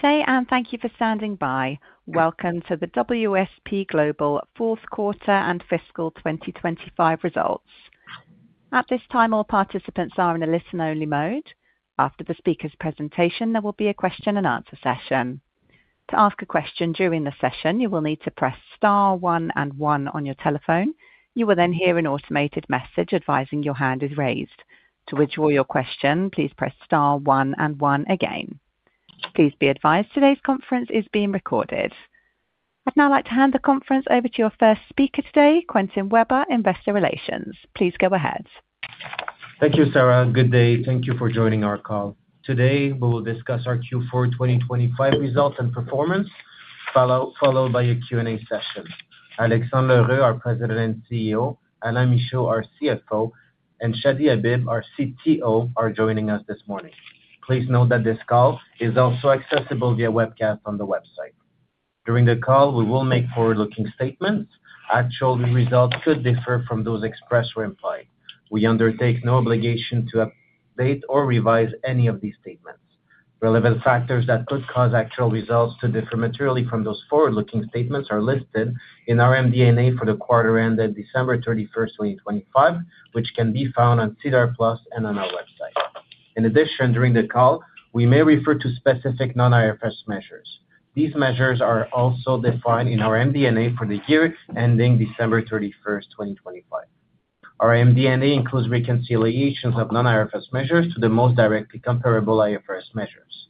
Good day, and thank you for standing by. Welcome to the WSP Global fourth quarter and fiscal 2025 results. At this time, all participants are in a listen-only mode. After the speaker's presentation, there will be a question-and-answer session. To ask a question during the session, you will need to press star one and one on your telephone. You will then hear an automated message advising your hand is raised. To withdraw your question, please press star one and one again. Please be advised, today's conference is being recorded. I'd now like to hand the conference over to your first speaker today, Quentin Weber, Investor Relations. Please go ahead. Thank you, Sarah. Good day. Thank you for joining our call. Today, we will discuss our Q4 2025 results and performance, followed by a Q&A session. Alexandre L'Heureux, our President and CEO, Alain Michaud, our CFO, and Chadi Habib, our CTO, are joining us this morning. Please note that this call is also accessible via webcast on the website. During the call, we will make forward-looking statements. Actual results could differ from those expressed or implied. We undertake no obligation to update or revise any of these statements. Relevant factors that could cause actual results to differ materially from those forward-looking statements are listed in our MD&A for the quarter ended December 31st, 2025, which can be found on SEDAR+ and on our website. During the call, we may refer to specific non-IFRS measures. These measures are also defined in our MD&A for the year ending December 31st, 2025. Our MD&A includes reconciliations of non-IFRS measures to the most directly comparable IFRS measures.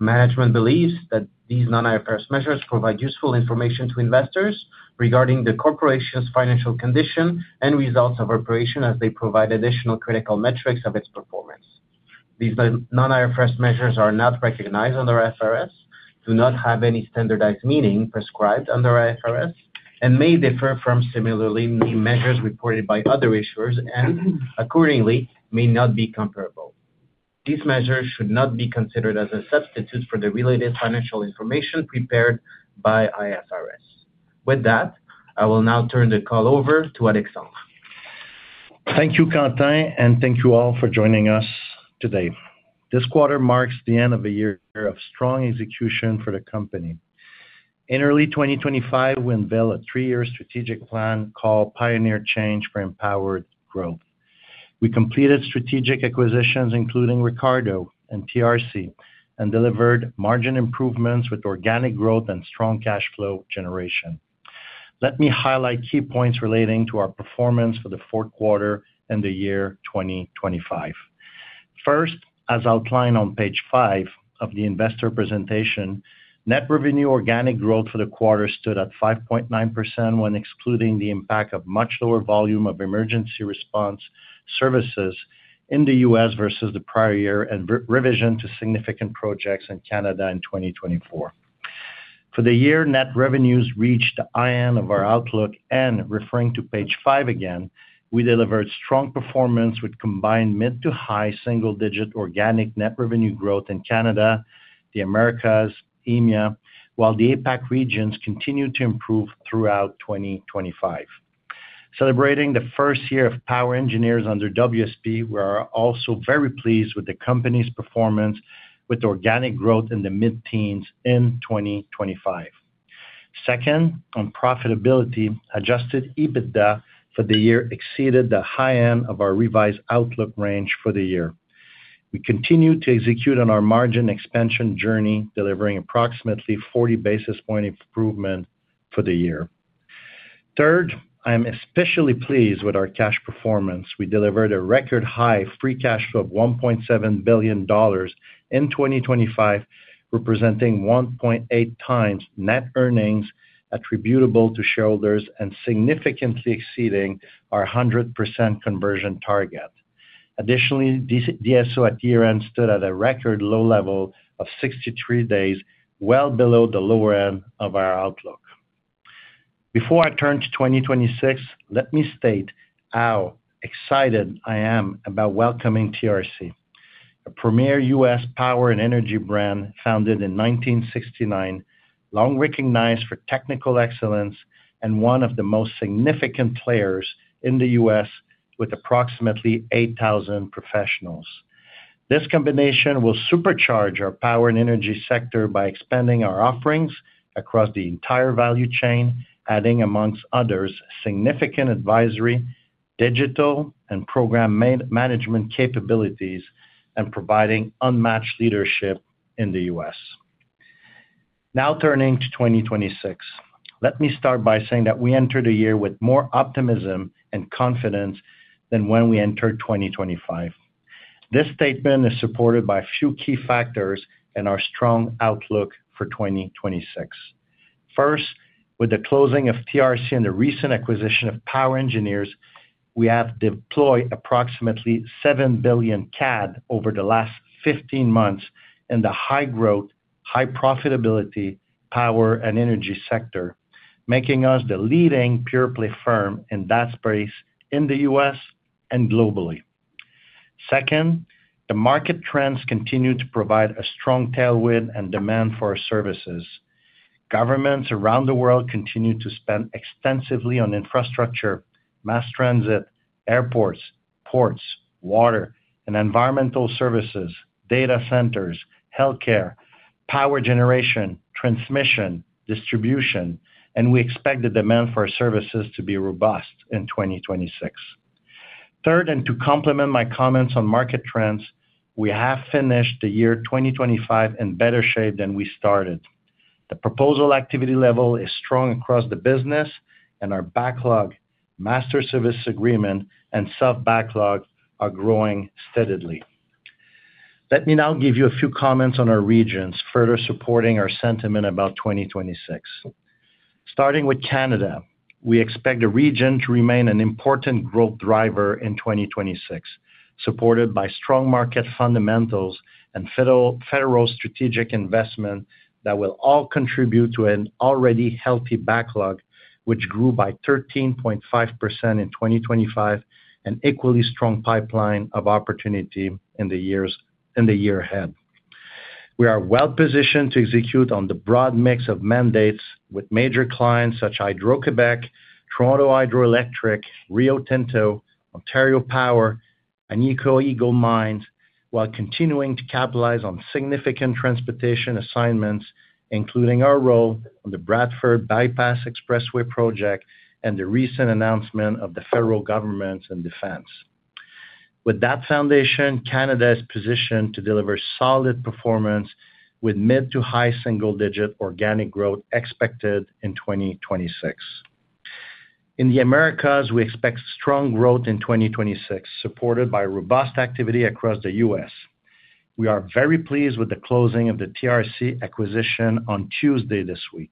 Management believes that these non-IFRS measures provide useful information to investors regarding the corporation's financial condition and results of operation, as they provide additional critical metrics of its performance. These non-IFRS measures are not recognized under IFRS, do not have any standardized meaning prescribed under IFRS, and may differ from similarly measures reported by other issuers, and accordingly, may not be comparable. These measures should not be considered as a substitute for the related financial information prepared by IFRS. With that, I will now turn the call over to Alexandre. Thank you, Quentin, and thank you all for joining us today. This quarter marks the end of a year of strong execution for the company. In early 2025, we unveiled a three-year strategic plan called Pioneering Change for Empowered Growth. We completed strategic acquisitions, including Ricardo and TRC, and delivered margin improvements with organic growth and strong cash flow generation. Let me highlight key points relating to our performance for the fourth quarter and the year 2025. First, as outlined on page 5 of the investor presentation, net revenue organic growth for the quarter stood at 5.9%, when excluding the impact of much lower volume of emergency response services in the U.S. versus the prior year and revision to significant projects in Canada in 2024. For the year, net revenues reached the high end of our outlook. Referring to page five again, we delivered strong performance with combined mid to high single-digit organic net revenue growth in Canada, the Americas, EMEA, while the APAC regions continued to improve throughout 2025. Celebrating the first year of Power Engineers under WSP, we are also very pleased with the company's performance with organic growth in the mid-teens in 2025. Second, on profitability, adjusted EBITDA for the year exceeded the high end of our revised outlook range for the year. We continued to execute on our margin expansion journey, delivering approximately 40 basis point improvement for the year. Third, I am especially pleased with our cash performance. We delivered a record-high free cash flow of 1.7 billion dollars in 2025, representing 1.8 times net earnings attributable to shareholders and significantly exceeding our 100% conversion target. DSO at year-end stood at a record low level of 63 days, well below the lower end of our outlook. Before I turn to 2026, let me state how excited I am about welcoming TRC, a premier U.S. power and energy brand founded in 1969, long recognized for technical excellence and one of the most significant players in the U.S. with approximately 8,000 professionals. This combination will supercharge our power and energy sector by expanding our offerings across the entire value chain, adding, amongst others, significant advisory, digital, and program management capabilities, and providing unmatched leadership in the U.S. Turning to 2026. Let me start by saying that we entered a year with more optimism and confidence than when we entered 2025. This statement is supported by a few key factors and our strong outlook for 2026. First, with the closing of TRC and the recent acquisition of Power Engineers, we have deployed approximately 7 billion CAD over the last 15 months in the high-growth, high-profitability, power and energy sector, making us the leading pure play firm in that space in the U.S. and globally. Second, the market trends continue to provide a strong tailwind and demand for our services. Governments around the world continue to spend extensively on infrastructure, mass transit, airports, ports, water and environmental services, data centers, healthcare, power generation, transmission, distribution, and we expect the demand for our services to be robust in 2026. Third, to complement my comments on market trends, we have finished the year 2025 in better shape than we started. The proposal activity level is strong across the business, and our backlog, master service agreement, and sub-backlog are growing steadily. Let me now give you a few comments on our regions, further supporting our sentiment about 2026. Starting with Canada, we expect the region to remain an important growth driver in 2026, supported by strong market fundamentals and federal strategic investment that will all contribute to an already healthy backlog, which grew by 13.5% in 2025, an equally strong pipeline of opportunity in the year ahead. We are well positioned to execute on the broad mix of mandates with major clients such Hydro-Québec, Toronto Hydroelectric, Rio Tinto, Ontario Power, and Agnico Eagle Mine, while continuing to capitalize on significant transportation assignments, including our role on the Bradford Bypass Expressway project and the recent announcement of the federal government and defense. With that foundation, Canada is positioned to deliver solid performance with mid to high single-digit organic growth expected in 2026. In the Americas, we expect strong growth in 2026, supported by robust activity across the U.S. We are very pleased with the closing of the TRC acquisition on Tuesday this week,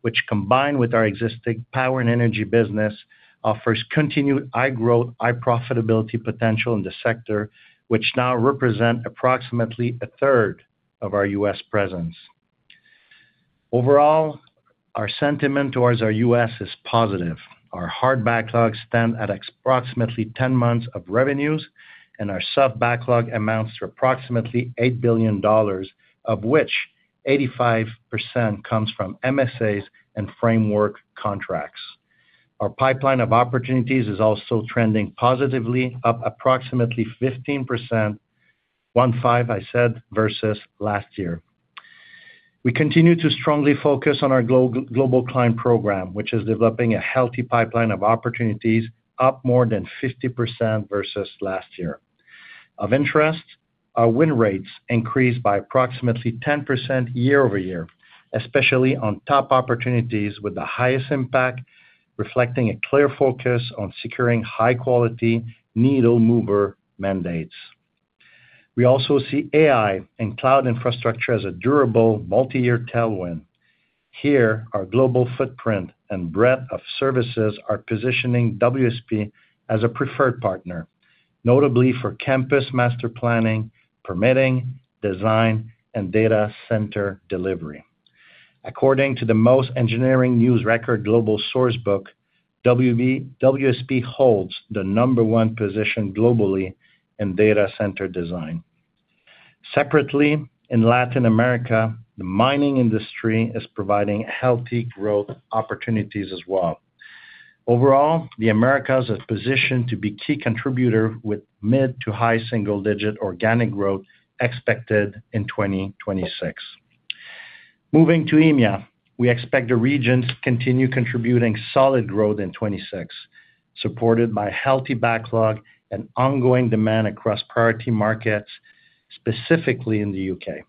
which, combined with our existing power and energy business, offers continued high growth, high profitability potential in the sector, which now represent approximately a third of our U.S. presence. Overall, our sentiment towards our U.S. is positive. Our hard backlogs stand at approximately 10 months of revenues, and our sub-backlog amounts to approximately $8 billion, of which 85% comes from MSAs and framework contracts. Our pipeline of opportunities is also trending positively, up approximately 15%, 15, I said, versus last year. We continue to strongly focus on our global client program, which is developing a healthy pipeline of opportunities, up more than 50% versus last year. Of interest, our win rates increased by approximately 10% year-over-year, especially on top opportunities with the highest impact, reflecting a clear focus on securing high-quality, needle-mover mandates. We also see AI and cloud infrastructure as a durable, multi-year tailwind. Here, our global footprint and breadth of services are positioning WSP as a preferred partner, notably for campus master planning, permitting, design, and data center delivery. According to the Engineering News-Record Global Sourcebook, WSP holds the number one position globally in data center design. Separately, in Latin America, the mining industry is providing healthy growth opportunities as well. Overall, the Americas is positioned to be key contributor with mid to high single-digit organic growth expected in 2026. Moving to EMEA, we expect the region to continue contributing solid growth in 2026, supported by healthy backlog and ongoing demand across priority markets, specifically in the UK.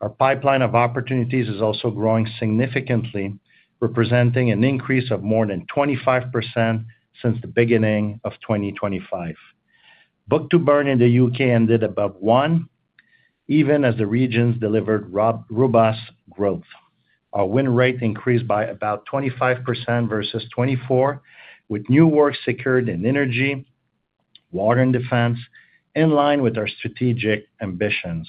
Our pipeline of opportunities is also growing significantly, representing an increase of more than 25% since the beginning of 2025. Book-to-burn in the U.K., ended above one, even as the regions delivered robust growth. Our win rate increased by about 25% versus 2024, with new work secured in energy, water, and defense, in line with our strategic ambitions.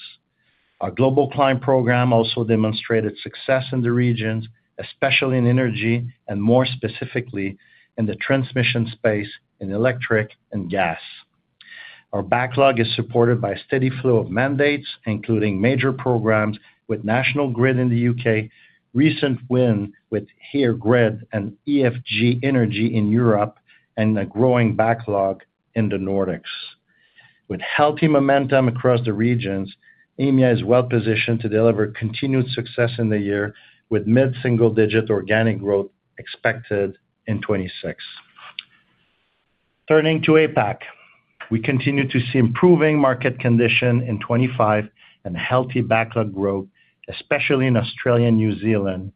Our global client program also demonstrated success in the regions, especially in energy, and more specifically in the transmission space, in electric and gas. Our backlog is supported by a steady flow of mandates, including major programs with National Grid in the U.K., recent win with Eirgrid and EDF Energy in Europe, and a growing backlog in the Nordics. With healthy momentum across the regions, EMEA is well positioned to deliver continued success in the year, with mid-single-digit organic growth expected in 2026. Turning to APAC, we continue to see improving market condition in 2025 and healthy backlog growth, especially in Australia and New Zealand,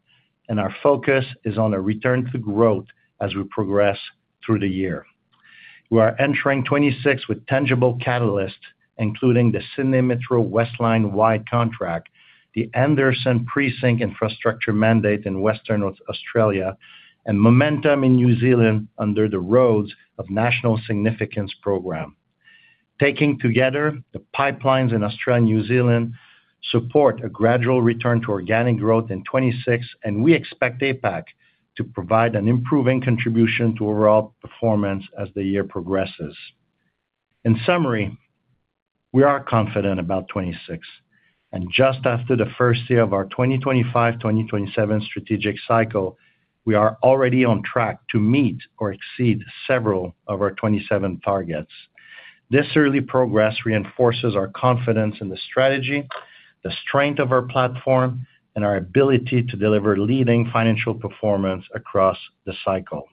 and our focus is on a return to growth as we progress through the year. We are entering 2026 with tangible catalysts, including the Sydney Metro Westline wide contract, the Anderson Precinct Infrastructure mandate in Western Australia, and momentum in New Zealand under the Roads of National Significance program. Taken together, the pipelines in Australia and New Zealand support a gradual return to organic growth in 2026. We expect APAC to provide an improving contribution to overall performance as the year progresses. In summary. We are confident about 2026. Just after the first year of our 2025-2027 strategic cycle, we are already on track to meet or exceed several of our 2027 targets. This early progress reinforces our confidence in the strategy, the strength of our platform, and our ability to deliver leading financial performance across the cycle.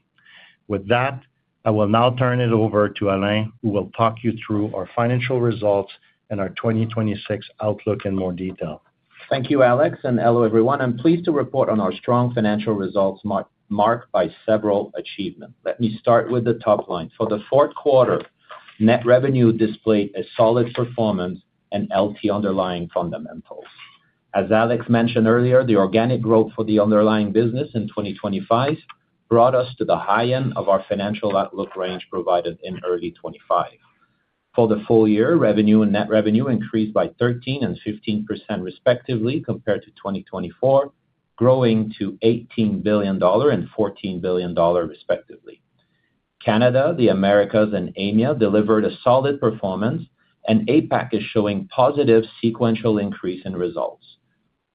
With that, I will now turn it over to Alain, who will talk you through our financial results and our 2026 outlook in more detail. Thank you, Alex, and hello, everyone. I'm pleased to report on our strong financial results marked by several achievements. Let me start with the top line. For the fourth quarter, net revenue displayed a solid performance and healthy underlying fundamentals. As Alex mentioned earlier, the organic growth for the underlying business in 2025 brought us to the high end of our financial outlook range provided in early 2025. For the full year, revenue and net revenue increased by 13% and 15% respectively, compared to 2024, growing to 18 billion dollar and 14 billion dollar, respectively. Canada, the Americas, and EMEA delivered a solid performance, and APAC is showing positive sequential increase in results.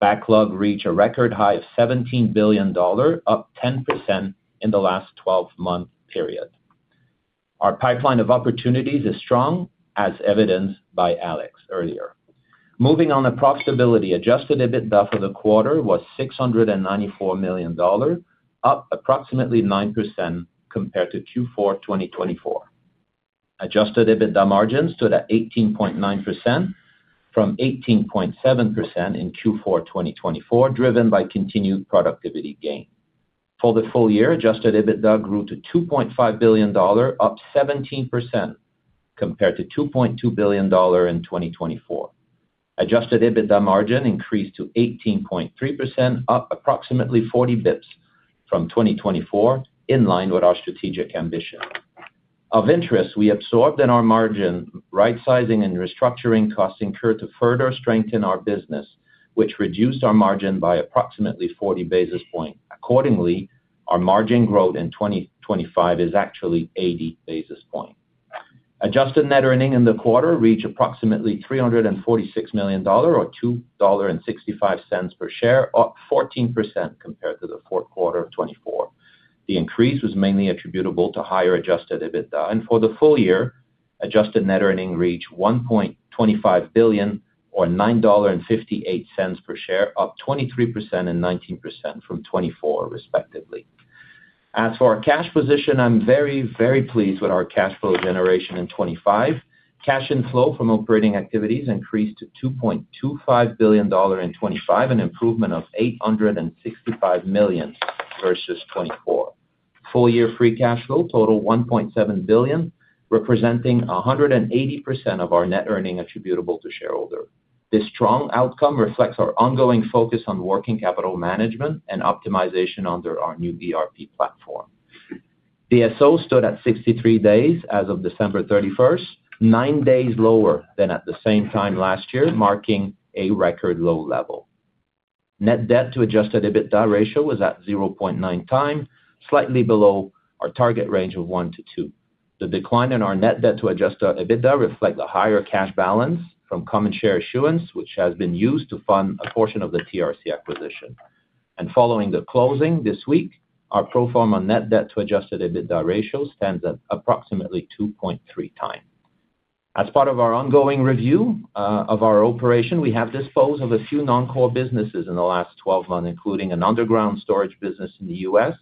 Backlog reached a record high of 17 billion dollars, up 10% in the last 12-month period. Our pipeline of opportunities is strong, as evidenced by Alex earlier. Moving on to profitability, Adjusted EBITDA for the quarter was 694 million dollars, up approximately 9% compared to Q4 2024. Adjusted EBITDA margins stood at 18.9% from 18.7% in Q4 2024, driven by continued productivity gain. For the full year, Adjusted EBITDA grew to 2.5 billion dollar, up 17% compared to 2.2 billion dollar in 2024. Adjusted EBITDA margin increased to 18.3%, up approximately 40 basis points from 2024, in line with our strategic ambition. Of interest, we absorbed in our margin, rightsizing and restructuring costs incurred to further strengthen our business, which reduced our margin by approximately 40 basis points. Accordingly, our margin growth in 2025 is actually 80 basis point. Adjusted net earning in the quarter reached approximately 346 million dollar, or 2.65 dollar per share, up 14% compared to the fourth quarter of 2024. The increase was mainly attributable to higher adjusted EBITDA. For the full year, adjusted net earning reached 1.25 billion, or 9.58 dollar per share, up 23% and 19% from 2024, respectively. As for our cash position, I'm very, very pleased with our cash flow generation in 2025. Cash inflow from operating activities increased to 2.25 billion dollar in 2025, an improvement of 865 million versus 2024. Full year free cash flow total 1.7 billion, representing 180% of our net earning attributable to shareholder. This strong outcome reflects our ongoing focus on working capital management and optimization under our new ERP platform. DSO stood at 63 days as of December 31st, nine days lower than at the same time last year, marking a record low level. Net debt to adjusted EBITDA ratio was at 0.9 times, slightly below our target range of 1-2. The decline in our net debt to adjusted EBITDA reflect the higher cash balance from common share issuance, which has been used to fund a portion of the TRC acquisition. Following the closing this week, our pro forma net debt to adjusted EBITDA ratio stands at approximately 2.3 times. As part of our ongoing review of our operation, we have disposed of a few non-core businesses in the last 12 months, including an underground storage business in the U.S.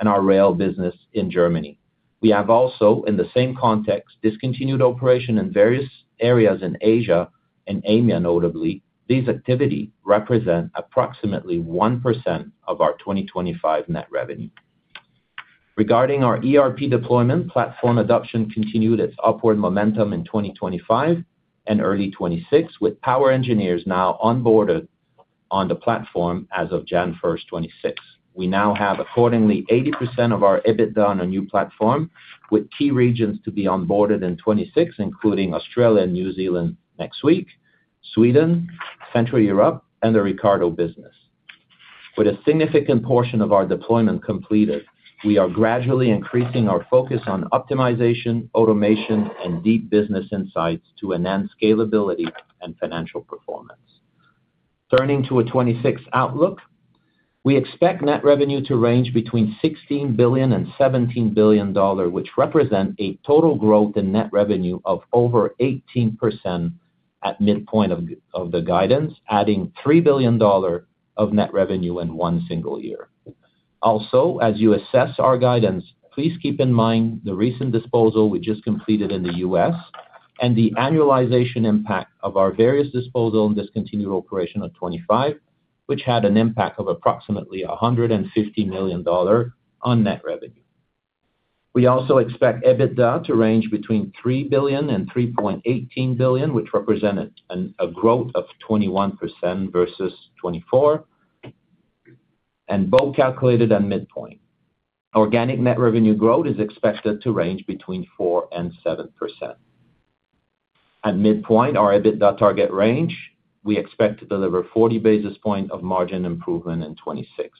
and our rail business in Germany. We have also, in the same context, discontinued operation in various areas in Asia and EMEA, notably. These activity represent approximately 1% of our 2025 net revenue. Regarding our ERP deployment, platform adoption continued its upward momentum in 2025 and early 2026, with Power Engineers now onboarded on the platform as of January 1st, 2026. We now have accordingly, 80% of our EBITDA on a new platform, with key regions to be onboarded in 2026, including Australia and New Zealand next week, Sweden, Central Europe, and the Ricardo business. With a significant portion of our deployment completed, we are gradually increasing our focus on optimization, automation, and deep business insights to enhance scalability and financial performance. Turning to a 2026 outlook, we expect net revenue to range between $16 billion and $17 billion, which represent a total growth in net revenue of over 18% at midpoint of the guidance, adding $3 billion of net revenue in one single year. As you assess our guidance, please keep in mind the recent disposal we just completed in the U.S. and the annualization impact of our various disposal and discontinued operation of 2025, which had an impact of approximately $150 million on net revenue. We also expect EBITDA to range between $3 billion and $3.18 billion, which represented a growth of 21% versus 2024, and both calculated at midpoint. Organic net revenue growth is expected to range between 4% and 7%. At midpoint, our EBITDA target range, we expect to deliver 40 basis point of margin improvement in 2026.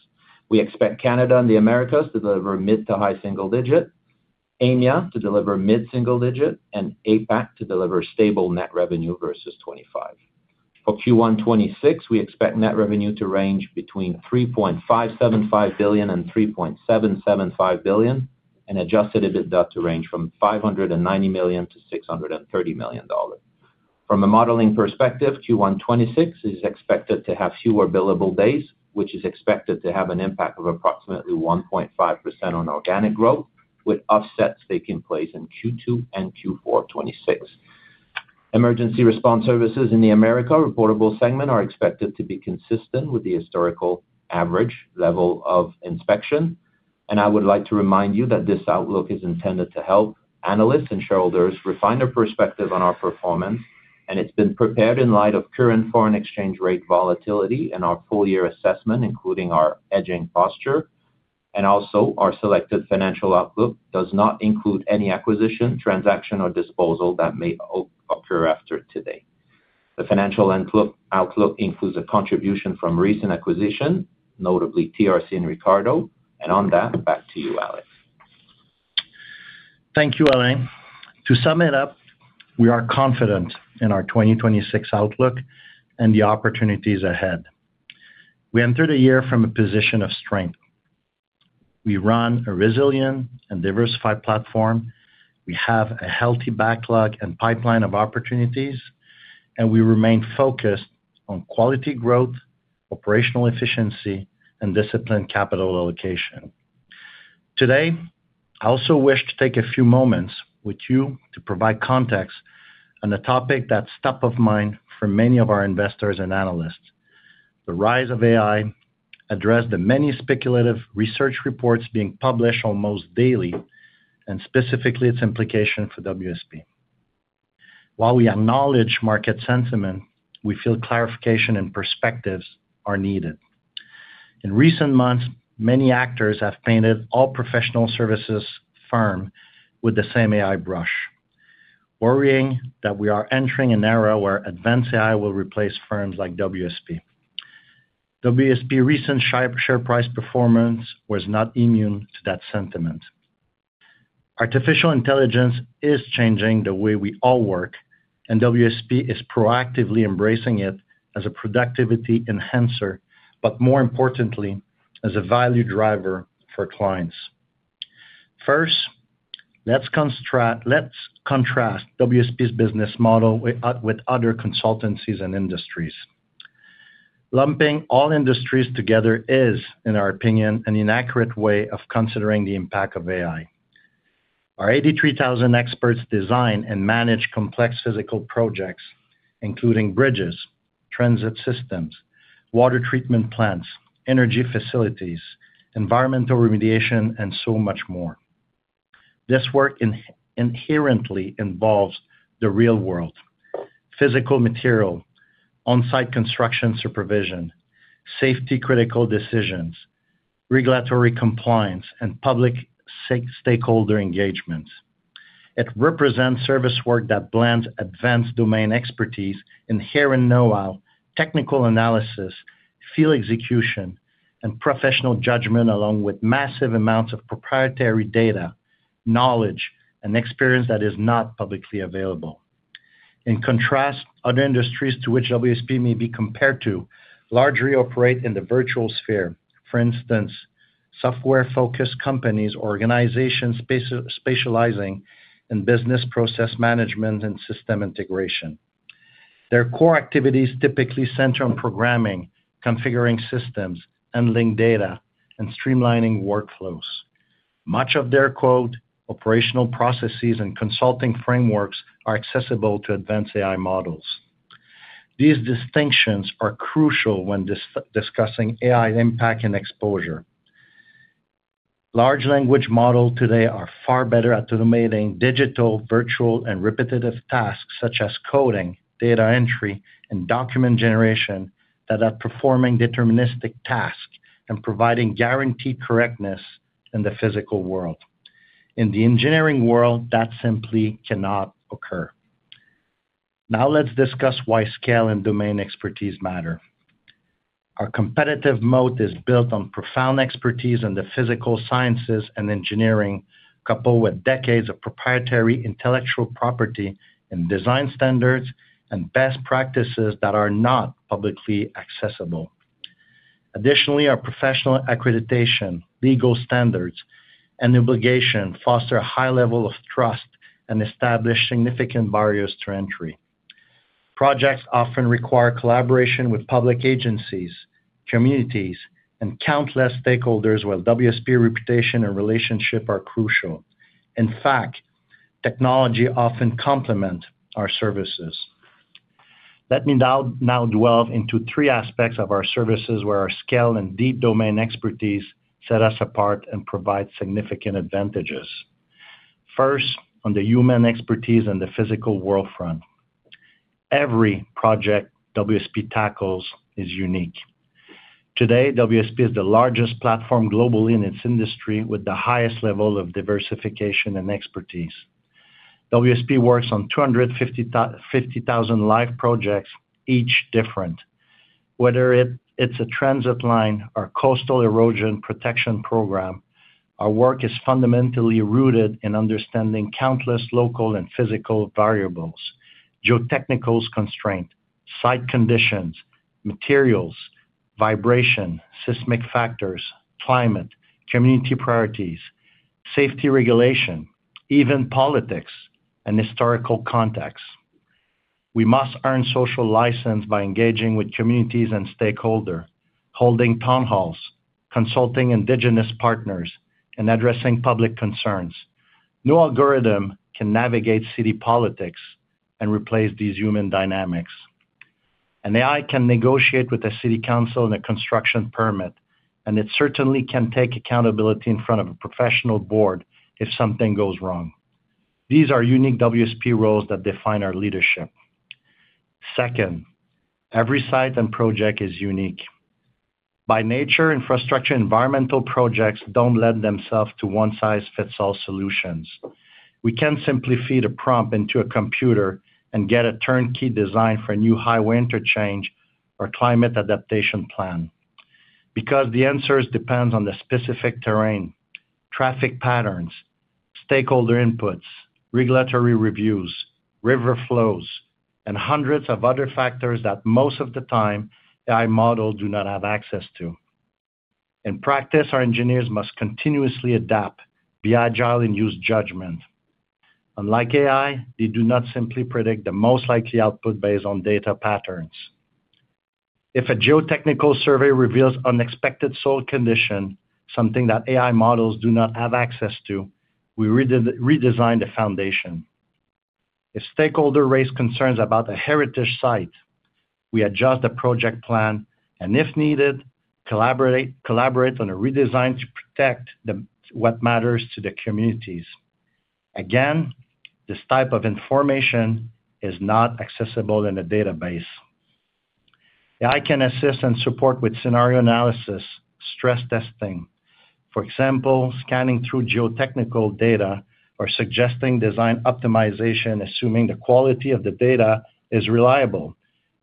We expect Canada and the Americas to deliver mid- to high-single digit, EMEA to deliver mid-single digit, and APAC to deliver stable net revenue versus 2025. For Q1 2026, we expect net revenue to range between 3.575 billion and 3.775 billion, and adjusted EBITDA to range from 590 million to 630 million dollars. From a modeling perspective, Q1 2026 is expected to have fewer billable days, which is expected to have an impact of approximately 1.5% on organic growth, with offsets taking place in Q2 and Q4 2026. Emergency response services in the America reportable segment are expected to be consistent with the historical average level of inspection. I would like to remind you that this outlook is intended to help analysts and shareholders refine their perspective on our performance, and it's been prepared in light of current foreign exchange rate volatility and our full year assessment, including our hedging posture. Also, our selected financial outlook does not include any acquisition, transaction, or disposal that may occur after today. The financial outlook includes a contribution from recent acquisition, notably TRC and Ricardo. On that, back to you, Alex. Thank you, Alain. To sum it up, we are confident in our 2026 outlook and the opportunities ahead. We entered the year from a position of strength. We run a resilient and diversified platform, we have a healthy backlog and pipeline of opportunities, and we remain focused on quality growth, operational efficiency, and disciplined capital allocation. Today, I also wish to take a few moments with you to provide context on a topic that's top of mind for many of our investors and analysts. The rise of AI addressed the many speculative research reports being published almost daily, and specifically its implication for WSP. While we acknowledge market sentiment, we feel clarification and perspectives are needed. In recent months, many actors have painted all professional services firm with the same AI brush, worrying that we are entering an era where advanced AI will replace firms like WSP. WSP recent share price performance was not immune to that sentiment. Artificial intelligence is changing the way we all work, WSP is proactively embracing it as a productivity enhancer, but more importantly, as a value driver for clients. First, let's contrast WSP's business model with other consultancies and industries. Lumping all industries together is, in our opinion, an inaccurate way of considering the impact of AI. Our 83,000 experts design and manage complex physical projects, including bridges, transit systems, water treatment plants, energy facilities, environmental remediation, and so much more. This work inherently involves the real world: physical material, on-site construction supervision, safety-critical decisions, regulatory compliance, and public stakeholder engagements. It represents service work that blends advanced domain expertise, inherent know-how, technical analysis, field execution, and professional judgment, along with massive amounts of proprietary data, knowledge, and experience that is not publicly available. In contrast, other industries to which WSP may be compared to, largely operate in the virtual sphere. For instance, software-focused companies, organizations specializing in business process management and system integration. Their core activities typically center on programming, configuring systems, handling data, and streamlining workflows. Much of their, quote, "operational processes and consulting frameworks are accessible to advanced AI models." These distinctions are crucial when discussing AI's impact and exposure. Large language model today are far better at automating digital, virtual, and repetitive tasks such as coding, data entry, and document generation, that are performing deterministic tasks and providing guaranteed correctness in the physical world. In the engineering world, that simply cannot occur. Now, let's discuss why scale and domain expertise matter. Our competitive mode is built on profound expertise in the physical sciences and engineering, coupled with decades of proprietary intellectual property and design standards and best practices that are not publicly accessible. Additionally, our professional accreditation, legal standards, and obligation foster a high level of trust and establish significant barriers to entry. Projects often require collaboration with public agencies, communities, and countless stakeholders, where WSP reputation and relationship are crucial. In fact, technology often complement our services. Let me now delve into three aspects of our services, where our scale and deep domain expertise set us apart and provide significant advantages. First, on the human expertise and the physical world front. Every project WSP tackles is unique. Today, WSP is the largest platform globally in its industry, with the highest level of diversification and expertise.... WSP works on 250,000 live projects, each different. Whether it's a transit line or coastal erosion protection program, our work is fundamentally rooted in understanding countless local and physical variables, geotechnical constraint, site conditions, materials, vibration, seismic factors, climate, community priorities, safety regulation, even politics, and historical context. We must earn social license by engaging with communities and stakeholder, holding town halls, consulting indigenous partners, and addressing public concerns. No algorithm can navigate city politics and replace these human dynamics. An AI can negotiate with the city council on a construction permit, and it certainly can take accountability in front of a professional board if something goes wrong. These are unique WSP roles that define our leadership. Second, every site and project is unique. By nature, infrastructure environmental projects don't lend themselves to one-size-fits-all solutions. We can't simply feed a prompt into a computer and get a turnkey design for a new highway interchange or climate adaptation plan. The answers depends on the specific terrain, traffic patterns, stakeholder inputs, regulatory reviews, river flows, and hundreds of other factors that most of the time, AI model do not have access to. In practice, our engineers must continuously adapt, be agile, and use judgment. Unlike AI, they do not simply predict the most likely output based on data patterns. If a geotechnical survey reveals unexpected soil condition, something that AI models do not have access to, we redesign the foundation. If stakeholder raise concerns about a heritage site, we adjust the project plan, and if needed, collaborate on a redesign to protect the what matters to the communities. Again, this type of information is not accessible in a database. AI can assist and support with scenario analysis, stress testing. For example, scanning through geotechnical data or suggesting design optimization, assuming the quality of the data is reliable,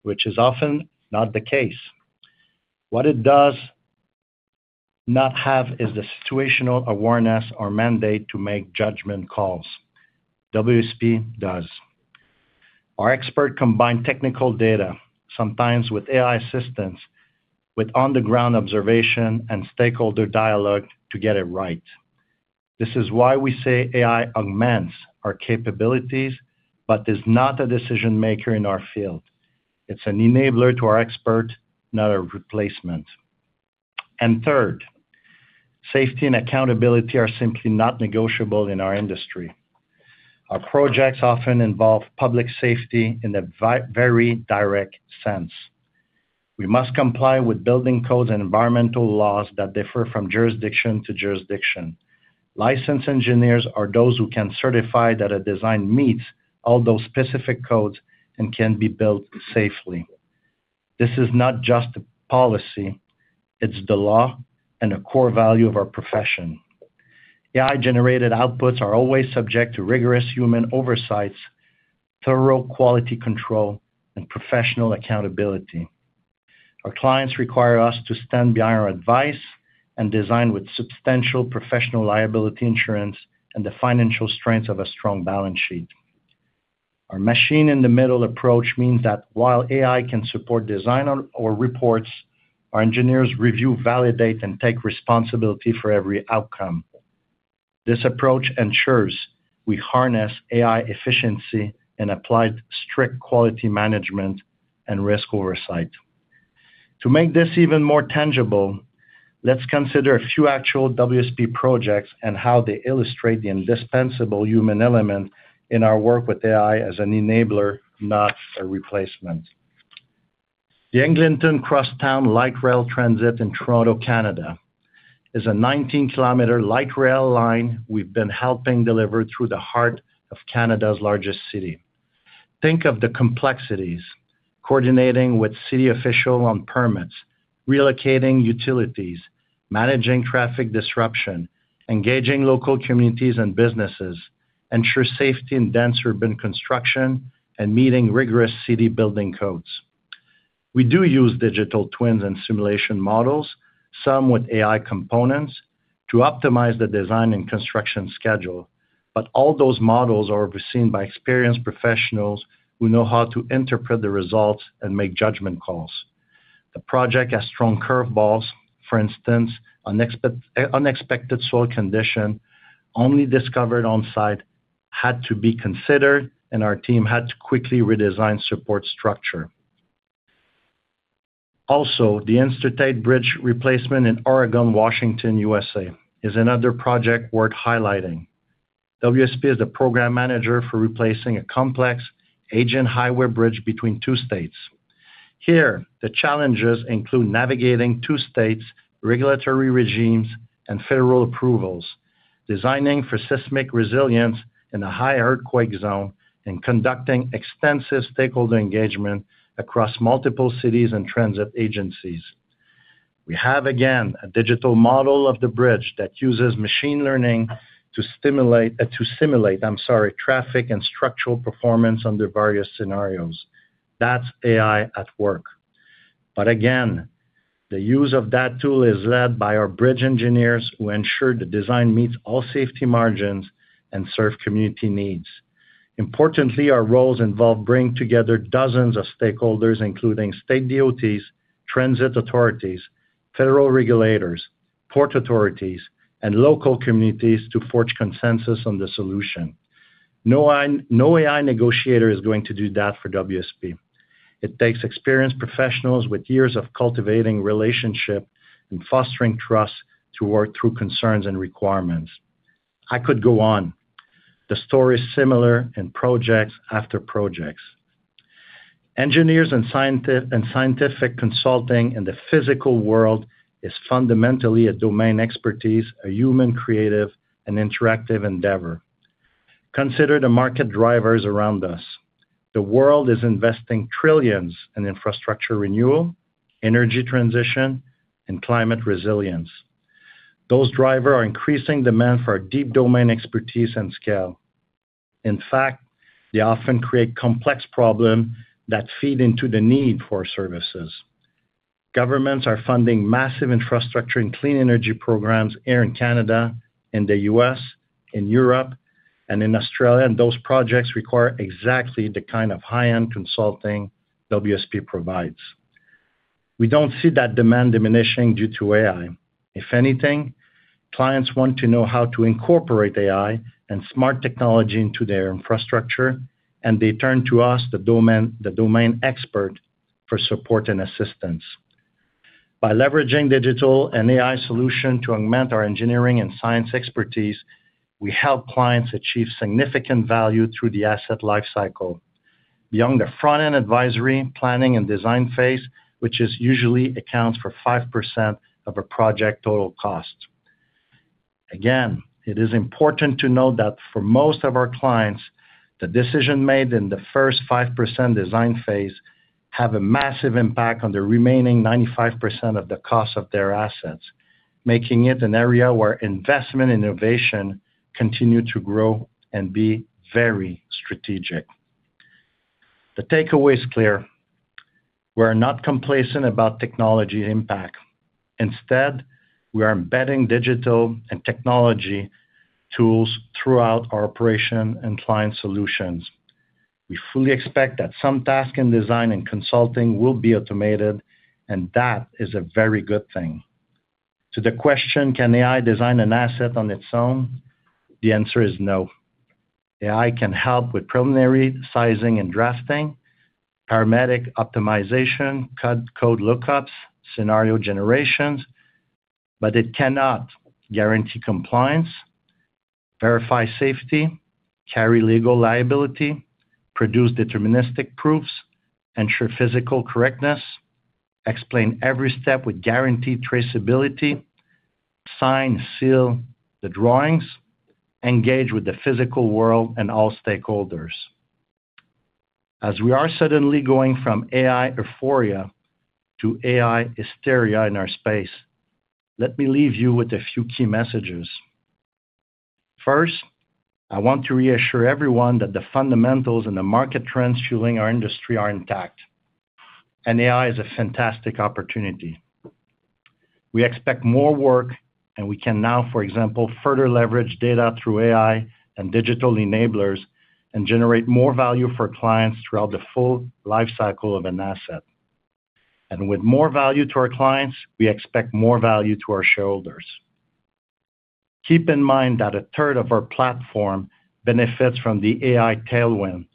which is often not the case. What it does not have is the situational awareness or mandate to make judgment calls. WSP does. Our expert combine technical data, sometimes with AI assistance, with on-the-ground observation and stakeholder dialogue to get it right. This is why we say AI augments our capabilities, but is not a decision-maker in our field. It's an enabler to our expert, not a replacement. Third, safety and accountability are simply not negotiable in our industry. Our projects often involve public safety in a very direct sense. We must comply with building codes and environmental laws that differ from jurisdiction to jurisdiction. Licensed engineers are those who can certify that a design meets all those specific codes and can be built safely. This is not just a policy, it's the law and a core value of our profession. AI-generated outputs are always subject to rigorous human oversights, thorough quality control, and professional accountability. Our clients require us to stand behind our advice and design with substantial professional liability insurance and the financial strength of a strong balance sheet. Our machine-in-the-middle approach means that while AI can support design or reports, our engineers review, validate, and take responsibility for every outcome. This approach ensures we harness AI efficiency and applied strict quality management and risk oversight. To make this even more tangible, let's consider a few actual WSP projects and how they illustrate the indispensable human element in our work with AI as an enabler, not a replacement. The Eglinton Crosstown Light Rail Transit in Toronto, Canada, is a 19-kilometer light rail line we've been helping deliver through the heart of Canada's largest city. Think of the complexities: coordinating with city official on permits, relocating utilities, managing traffic disruption, engaging local communities and businesses, ensure safety in dense urban construction, and meeting rigorous city building codes. We do use digital twins and simulation models, some with AI components, to optimize the design and construction schedule, but all those models are overseen by experienced professionals who know how to interpret the results and make judgment calls. The project has strong curveballs. For instance, unexpected soil condition, only discovered on-site, had to be considered, and our team had to quickly redesign support structure. Also, the Interstate Bridge replacement in Oregon, Washington, USA, is another project worth highlighting. WSP is the program manager for replacing a complex agent highway bridge between two states. Here, the challenges include navigating two states, regulatory regimes, and federal approvals, designing for seismic resilience in a high earthquake zone, and conducting extensive stakeholder engagement across multiple cities and transit agencies. We have, again, a digital model of the bridge that uses machine learning to simulate, I'm sorry, traffic and structural performance under various scenarios. That's AI at work. Again, the use of that tool is led by our bridge engineers, who ensure the design meets all safety margins and serve community needs. Importantly, our roles involve bringing together dozens of stakeholders, including state DOTs, transit authorities, federal regulators, port authorities, and local communities to forge consensus on the solution. No AI, no AI negotiator is going to do that for WSP. It takes experienced professionals with years of cultivating relationship and fostering trust to work through concerns and requirements. I could go on. The story is similar in projects after projects. Engineers and scientific consulting in the physical world is fundamentally a domain expertise, a human creative and interactive endeavor. Consider the market drivers around us. The world is investing trillions in infrastructure renewal, energy transition, and climate resilience. Those driver are increasing demand for our deep domain expertise and scale. In fact, they often create complex problem that feed into the need for services. Governments are funding massive infrastructure and clean energy programs here in Canada, in the US, in Europe, and in Australia. Those projects require exactly the kind of high-end consulting WSP provides. We don't see that demand diminishing due to AI. If anything, clients want to know how to incorporate AI and smart technology into their infrastructure, and they turn to us, the domain expert, for support and assistance. By leveraging digital and AI solution to augment our engineering and science expertise, we help clients achieve significant value through the asset life cycle. Beyond the front-end advisory, planning, and design phase, which is usually accounts for 5% of a project total cost. Again, it is important to note that for most of our clients, the decision made in the first 5% design phase have a massive impact on the remaining 95% of the cost of their assets, making it an area where investment innovation continue to grow and be very strategic. The takeaway is clear: We are not complacent about technology impact. Instead, we are embedding digital and technology tools throughout our operation and client solutions. We fully expect that some tasks in design and consulting will be automated, and that is a very good thing. To the question, can AI design an asset on its own? The answer is no. AI can help with preliminary sizing and drafting, parametric optimization, cut code lookups, scenario generations, but it cannot guarantee compliance, verify safety, carry legal liability, produce deterministic proofs, ensure physical correctness, explain every step with guaranteed traceability, sign, seal the drawings, engage with the physical world and all stakeholders. As we are suddenly going from AI euphoria to AI hysteria in our space, let me leave you with a few key messages. First, I want to reassure everyone that the fundamentals and the market trends fueling our industry are intact, and AI is a fantastic opportunity. We expect more work, and we can now, for example, further leverage data through AI and digital enablers and generate more value for clients throughout the full lifecycle of an asset. With more value to our clients, we expect more value to our shareholders. Keep in mind that a third of our platform benefits from the AI tailwind,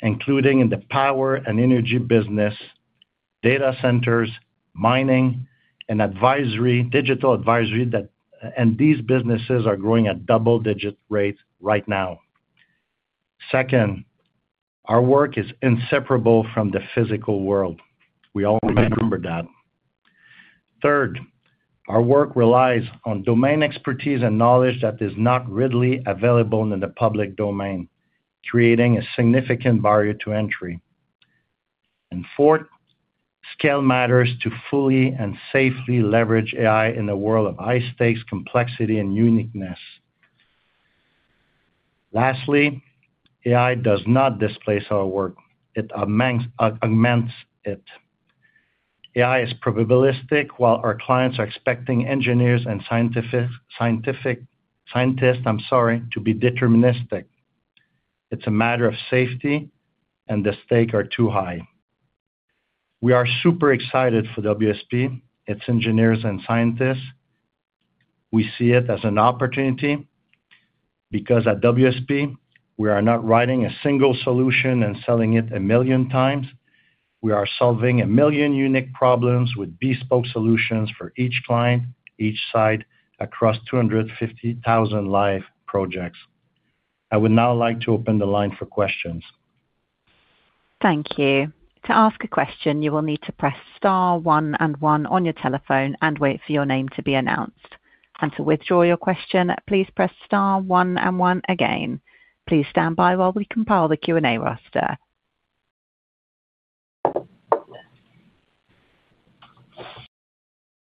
including in the power and energy business, data centers, mining, and advisory, digital advisory, and these businesses are growing at double-digit rates right now. Second, our work is inseparable from the physical world. We all remember that. Third, our work relies on domain expertise and knowledge that is not readily available in the public domain, creating a significant barrier to entry. Fourth, scale matters to fully and safely leverage AI in a world of high stakes, complexity, and uniqueness. Lastly, AI does not displace our work. It augments it. AI is probabilistic, while our clients are expecting engineers and scientists, I'm sorry, to be deterministic. It's a matter of safety, the stake are too high. We are super excited for WSP, its engineers and scientists. We see it as an opportunity because at WSP, we are not writing a single solution and selling it 1 million times. We are solving 1 million unique problems with bespoke solutions for each client, each site, across 250,000 live projects. I would now like to open the line for questions. Thank you. To ask a question, you will need to press star one and one on your telephone and wait for your name to be announced. To withdraw your question, please press star one and one again. Please stand by while we compile the Q&A roster.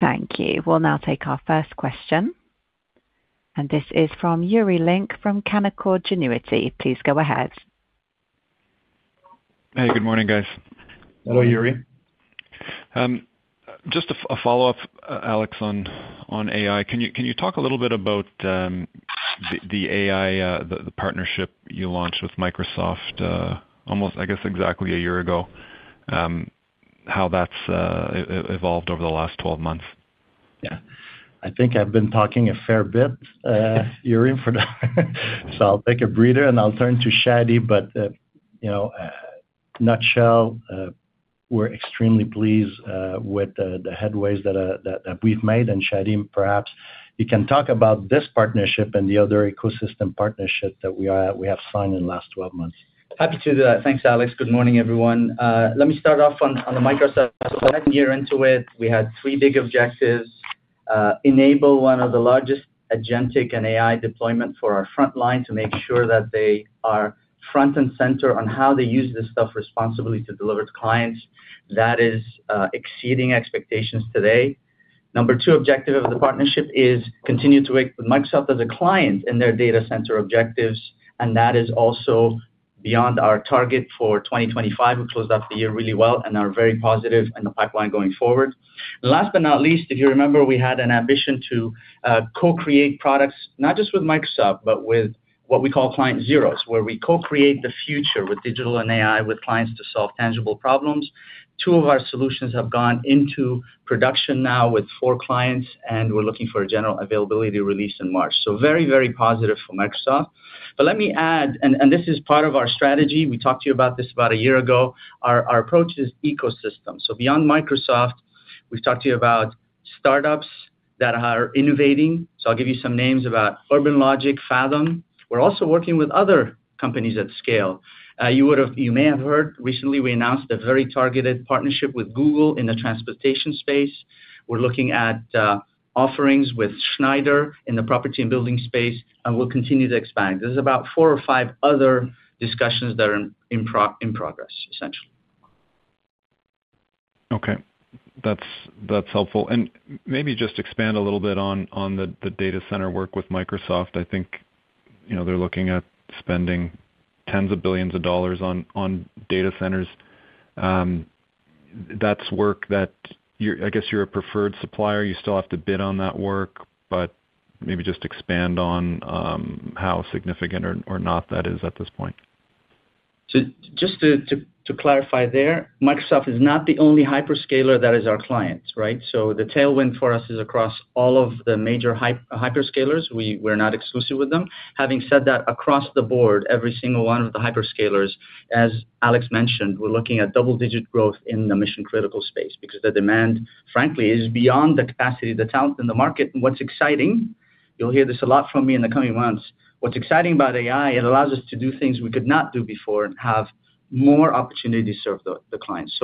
Thank you. We'll now take our first question, this is from Yuri Lynk from Canaccord Genuity. Please go ahead. Hey, good morning, guys. Hello, Yuri. Just a follow-up, Alex, on AI. Can you talk a little bit about the AI, the partnership you launched with Microsoft, almost, I guess, exactly a year ago, how that's evolved over the last 12 months? Yeah. I think I've been talking a fair bit, Yuri, for that. I'll take a breather, and I'll turn to Chadi, but, you know, nutshell, we're extremely pleased with the headways that we've made. Chadi, perhaps you can talk about this partnership and the other ecosystem partnership that we are, we have signed in the last 12 months. Happy to do that. Thanks, Alex. Good morning, everyone. Let me start off on the Microsoft. About a year into it, we had three big objectives: enable one of the largest agentic and AI deployment for our frontline to make sure that they are front and center on how they use this stuff responsibly to deliver to clients. That is exceeding expectations today. Number two objective of the partnership is continue to work with Microsoft as a client in their data center objectives. That is also beyond our target for 2025. We closed out the year really well and are very positive in the pipeline going forward. Last but not least, if you remember, we had an ambition to co-create products, not just with Microsoft, but with what we call client zeros, where we co-create the future with digital and AI, with clients to solve tangible problems. Two of our solutions have gone into production now with four clients, and we're looking for a general availability release in March. Very, very positive from Microsoft. Let me add, and this is part of our strategy, we talked to you about this about a year ago. Our approach is ecosystem. Beyond Microsoft, we've talked to you about startups that are innovating. I'll give you some names about UrbanLogiq, Fathom. We're also working with other companies at scale. You may have heard recently, we announced a very targeted partnership with Google in the transportation space. We're looking at offerings with Schneider in the property and building space, and we'll continue to expand. There's about four or five other discussions that are in progress, essentially. Okay. That's, that's helpful. Maybe just expand a little bit on the data center work with Microsoft. I think, you know, they're looking at spending $ tens of billions on data centers. That's work that I guess you're a preferred supplier. You still have to bid on that work, but maybe just expand on how significant or not that is at this point. Just to clarify there, Microsoft is not the only hyperscaler that is our client, right? The tailwind for us is across all of the major hyperscalers. We're not exclusive with them. Having said that, across the board, every single one of the hyperscalers, as Alex mentioned, we're looking at double-digit growth in the mission-critical space because the demand, frankly, is beyond the capacity, the talent in the market. What's exciting, you'll hear this a lot from me in the coming months. What's exciting about AI, it allows us to do things we could not do before and have more opportunity to serve the clients.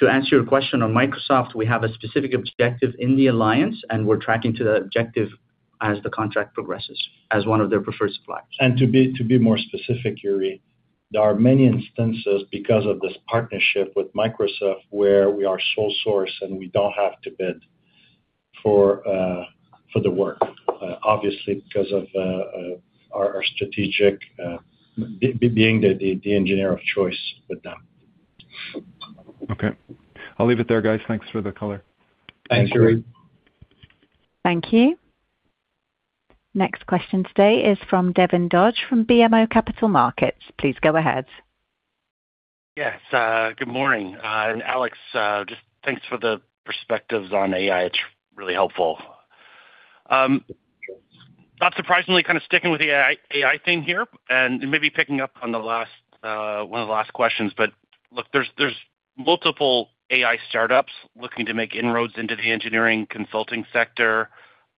To answer your question on Microsoft, we have a specific objective in the alliance, and we're tracking to the objective as the contract progresses, as one of their preferred suppliers. To be more specific, Yuri, there are many instances because of this partnership with Microsoft, where we are sole source and we don't have to bid for the work, obviously, because of, our strategic, being the engineer of choice with them. Okay. I'll leave it there, guys. Thanks for the color. Thanks, Yuri. Thank you. Thank you. Next question today is from Devin Dodge, from BMO Capital Markets. Please go ahead. Yes, good morning. Alex, just thanks for the perspectives on AI. It's really helpful. Not surprisingly, kind of sticking with the AI thing here and maybe picking up on the last one of the last questions, look, there's multiple AI startups looking to make inroads into the engineering consulting sector.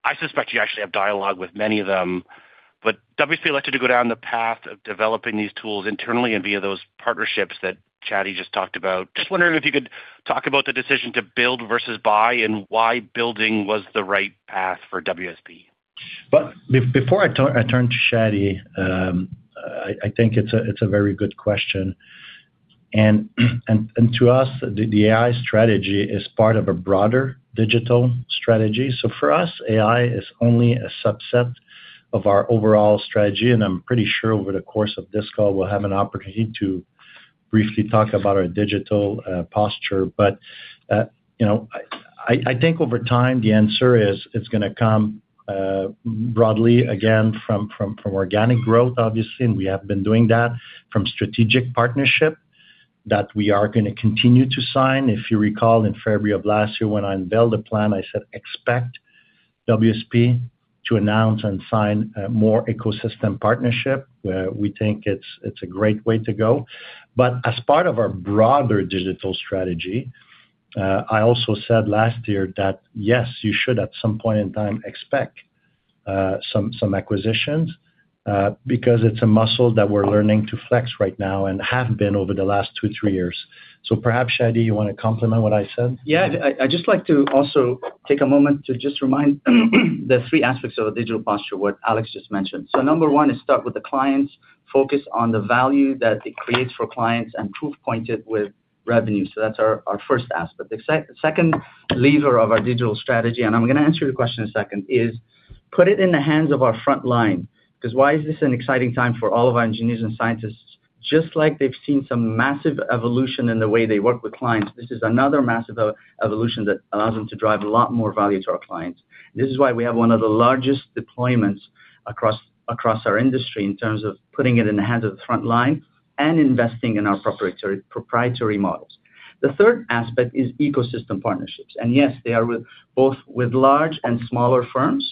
I suspect you actually have dialogue with many of them, WSP elected to go down the path of developing these tools internally and via those partnerships that Chadi just talked about. Just wondering if you could talk about the decision to build versus buy, why building was the right path for WSP. Before I turn to Chadi, I think it's a very good question. To us, the AI strategy is part of a broader digital strategy. For us, AI is only a subset of our overall strategy, and I'm pretty sure over the course of this call, we'll have an opportunity to briefly talk about our digital posture. You know, I think over time, the answer is, it's gonna come broadly, again, from organic growth, obviously, and we have been doing that from strategic partnership that we are gonna continue to sign. If you recall, in February of last year, when I unveiled the plan, I said, "Expect WSP to announce and sign more ecosystem partnership," where we think it's a great way to go. As part of our broader digital strategy, I also said last year that, yes, you should, at some point in time, expect some acquisitions, because it's a muscle that we're learning to flex right now and have been over the last two, three years. Perhaps, Chadi, you want to complement what I said? Yeah, I'd just like to also take a moment to just remind the three aspects of the digital posture, what Alex just mentioned. Number one is start with the clients, focus on the value that it creates for clients, and proof point it with revenue. That's our first aspect. The second lever of our digital strategy, and I'm gonna answer your question in a second, is put it in the hands of our front line. 'Cause why is this an exciting time for all of our engineers and scientists? Just like they've seen some massive evolution in the way they work with clients, this is another massive evolution that allows them to drive a lot more value to our clients. This is why we have one of the largest deployments across our industry in terms of putting it in the hands of the front line and investing in our proprietary models. The third aspect is ecosystem partnerships. Yes, they are with both with large and smaller firms.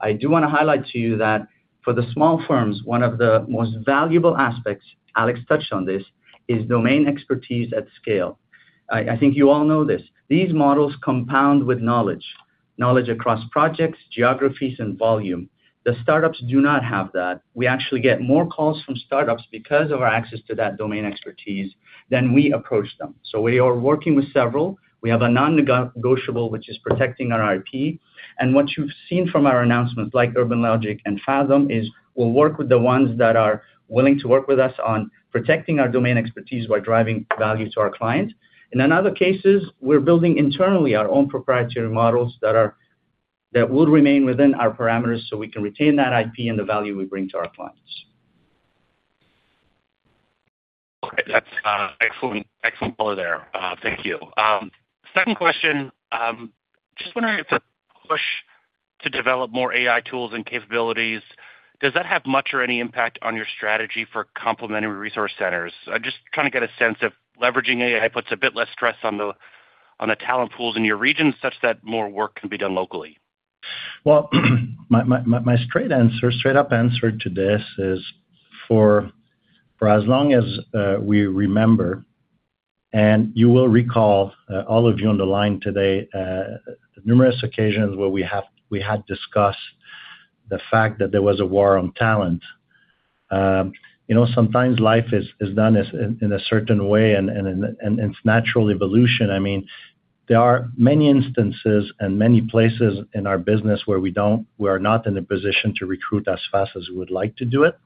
I do wanna highlight to you that for the small firms, one of the most valuable aspects, Alex touched on this, is domain expertise at scale. I think you all know this. These models compound with knowledge across projects, geographies, and volume. The startups do not have that. We actually get more calls from startups because of our access to that domain expertise than we approach them. We are working with several. We have a non-negotiable, which is protecting our IP. What you've seen from our announcements, like UrbanLogiq and Fathom, is we'll work with the ones that are willing to work with us on protecting our domain expertise while driving value to our clients. In other cases, we're building internally our own proprietary models that will remain within our parameters, so we can retain that IP and the value we bring to our clients. Okay, that's excellent follow there. Thank you. Second question, just wondering if the push to develop more AI tools and capabilities, does that have much or any impact on your strategy for complementary resource centers? I'm just trying to get a sense if leveraging AI puts a bit less stress on the talent pools in your region, such that more work can be done locally. Well, my straight up answer to this is for as long as we remember, and you will recall, all of you on the line today, numerous occasions where we had discussed the fact that there was a war on talent. You know, sometimes life is done as in a certain way and it's natural evolution. I mean, there are many instances and many places in our business where we are not in a position to recruit as fast as we would like to do it,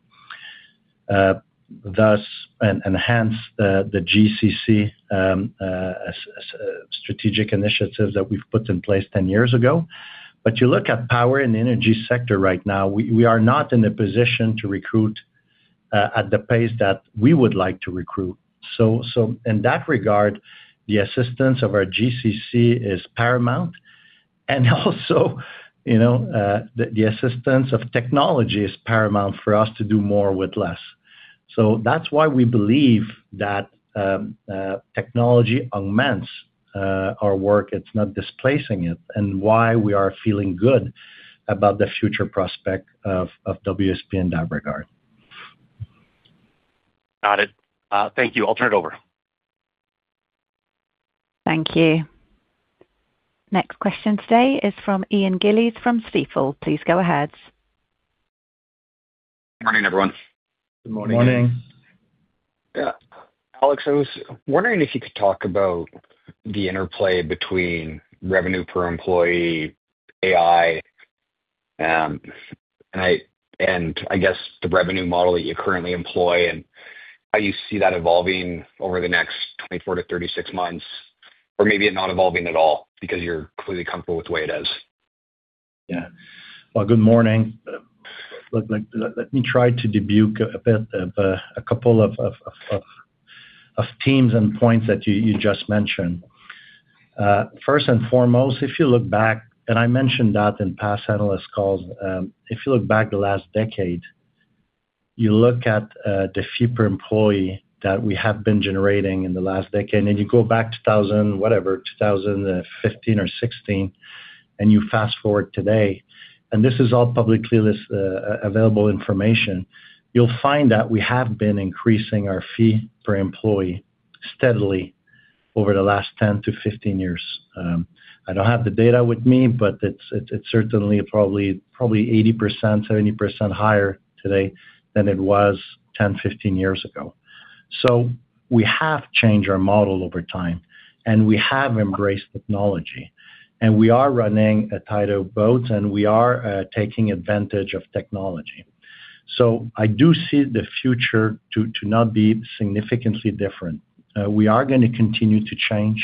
thus and hence, the GCC strategic initiatives that we've put in place 10 years ago. You look at power and energy sector right now, we are not in a position to recruit at the pace that we would like to recruit. In that regard, the assistance of our GCC is paramount, and also, you know, the assistance of technology is paramount for us to do more with less. That's why we believe that technology augments our work, it's not displacing it, and why we are feeling good about the future prospect of WSP in that regard. Got it. Thank you. I'll turn it over. Thank you. Next question today is from Ian Gillies from Stifel. Please go ahead. Good morning, everyone. Good morning. Morning. Yeah. Alex, I was wondering if you could talk about the interplay between revenue per employee, AI, and I, and I guess the revenue model that you currently employ, and how you see that evolving over the next 24 to 36 months, or maybe it not evolving at all because you're clearly comfortable with the way it is. Well, good morning. Let me try to debunk a bit, a couple of themes and points that you just mentioned. First and foremost, if you look back, and I mentioned that in past analyst calls, if you look back the last decade, you look at the fee per employee that we have been generating in the last decade, and you go back to 2000 whatever, 2000, 15 or 16, and you fast-forward today, and this is all publicly available information, you'll find that we have been increasing our fee per employee steadily over the last 10-15 years. I don't have the data with me, but it's certainly probably 80%-90% higher today than it was 10, 15 years ago. We have changed our model over time, and we have embraced technology, and we are running a tidal boat, and we are taking advantage of technology. I do see the future to not be significantly different. We are gonna continue to change.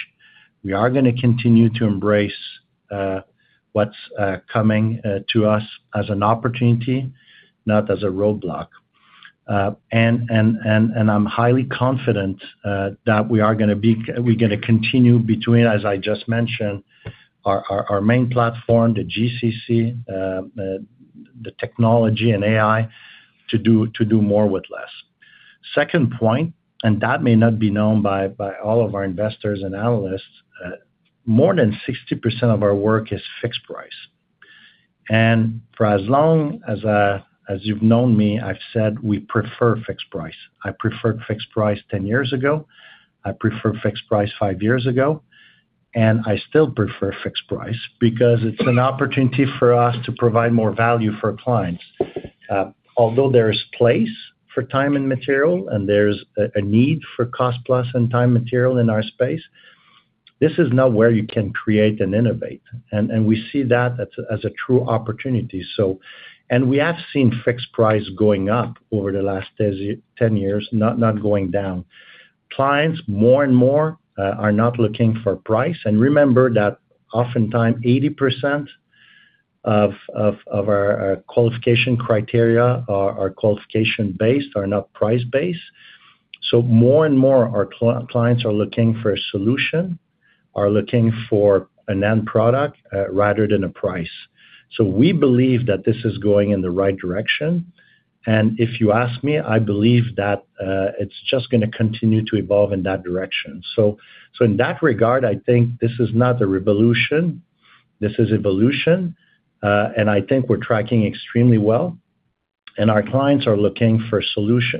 We are gonna continue to embrace what's coming to us as an opportunity, not as a roadblock. And I'm highly confident that we are gonna continue between, as I just mentioned, our, our main platform, the GCC, the technology and AI, to do more with less. Second point, that may not be known by all of our investors and analysts, more than 60% of our work is fixed price. For as long as you've known me, I've said we prefer fixed price. I preferred fixed price 10 years ago, I preferred fixed price 5 years ago. I still prefer fixed price because it's an opportunity for us to provide more value for clients. Although there is place for time and material, and there's a need for cost plus and time material in our space, this is not where you can create and innovate, and we see that as a true opportunity. We have seen fixed price going up over the last 10 years, not going down. Clients, more and more, are not looking for price. Remember that oftentimes 80% of our qualification criteria are qualification-based, are not price-based. More and more our clients are looking for a solution, are looking for an end product, rather than a price. We believe that this is going in the right direction, and if you ask me, I believe that it's just gonna continue to evolve in that direction. In that regard, I think this is not a revolution, this is evolution, and I think we're tracking extremely well, and our clients are looking for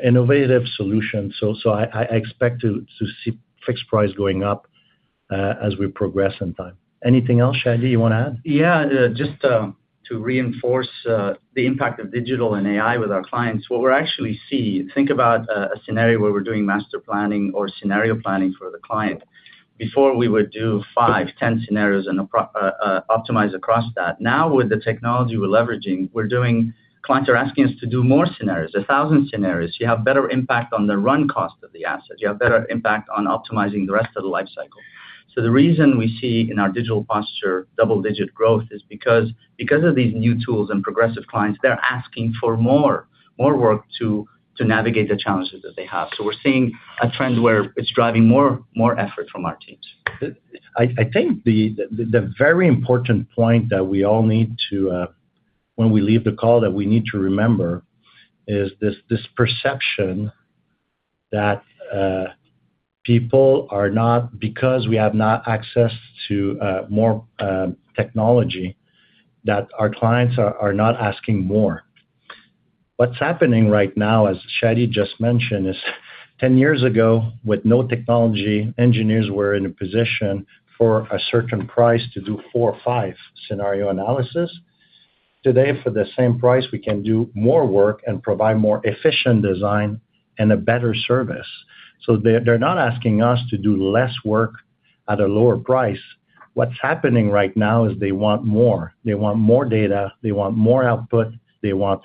innovative solutions. I expect to see fixed price going up as we progress in time. Anything else, Chadi, you wanna add? Just to reinforce the impact of digital and AI with our clients. What we're actually. Think about a scenario where we're doing master planning or scenario planning for the client. Before, we would do 5, 10 scenarios and optimize across that. Now, with the technology we're leveraging. Clients are asking us to do more scenarios, 1,000 scenarios. You have better impact on the run cost of the assets. You have better impact on optimizing the rest of the life cycle. The reason we see in our digital posture double-digit growth is because of these new tools and progressive clients, they're asking for more, more work to navigate the challenges that they have. We're seeing a trend where it's driving more, more effort from our teams. I think the very important point that we all need to when we leave the call, that we need to remember, is this perception that because we have not access to more technology, that our clients are not asking more. What's happening right now, as Chadi just mentioned, is 10 years ago, with no technology, engineers were in a position for a certain price to do four or five scenario analysis. Today, for the same price, we can do more work and provide more efficient design and a better service. They're not asking us to do less work at a lower price. What's happening right now is they want more. They want more data, they want more output, they want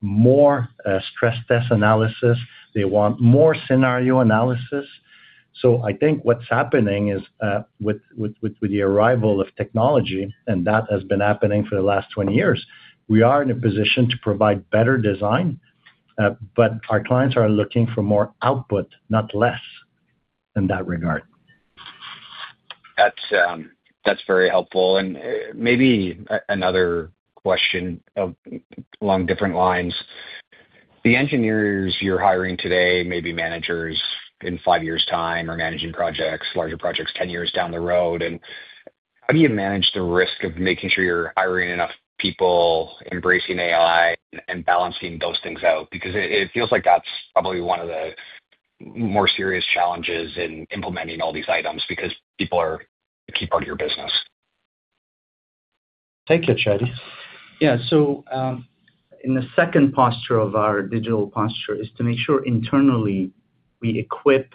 more stress test analysis, they want more scenario analysis. I think what's happening is, with the arrival of technology, and that has been happening for the last 20 years, we are in a position to provide better design, but our clients are looking for more output, not less, in that regard. That's, that's very helpful. Maybe another question, along different lines. The engineers you're hiring today may be managers in five years' time or managing projects, larger projects, 10 years down the road, how do you manage the risk of making sure you're hiring enough people, embracing AI and balancing those things out? Because it feels like that's probably one of the more serious challenges in implementing all these items, because people are a key part of your business. Take it, Chadi. In the second posture of our digital posture is to make sure internally we equip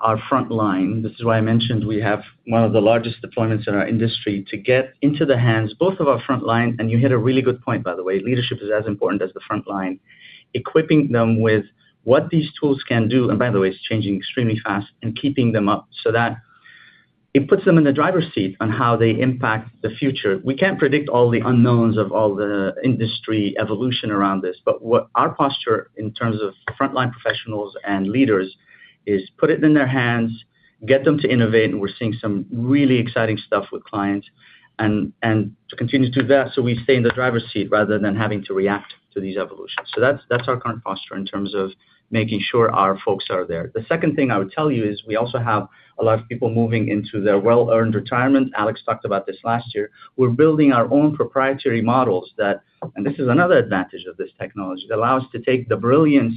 our front line. This is why I mentioned we have one of the largest deployments in our industry to get into the hands, both of our front line, and you hit a really good point, by the way. Leadership is as important as the front line. Equipping them with what these tools can do, and by the way, it's changing extremely fast, and keeping them up so that it puts them in the driver's seat on how they impact the future. We can't predict all the unknowns of all the industry evolution around this, but what our posture in terms of frontline professionals and leaders is put it in their hands, get them to innovate, and we're seeing some really exciting stuff with clients, and to continue to do that, so we stay in the driver's seat rather than having to react to these evolutions. That's our current posture in terms of making sure our folks are there. The second thing I would tell you is we also have a lot of people moving into their well-earned retirement. Alex talked about this last year. We're building our own proprietary models that... This is another advantage of this technology, that allow us to take the brilliance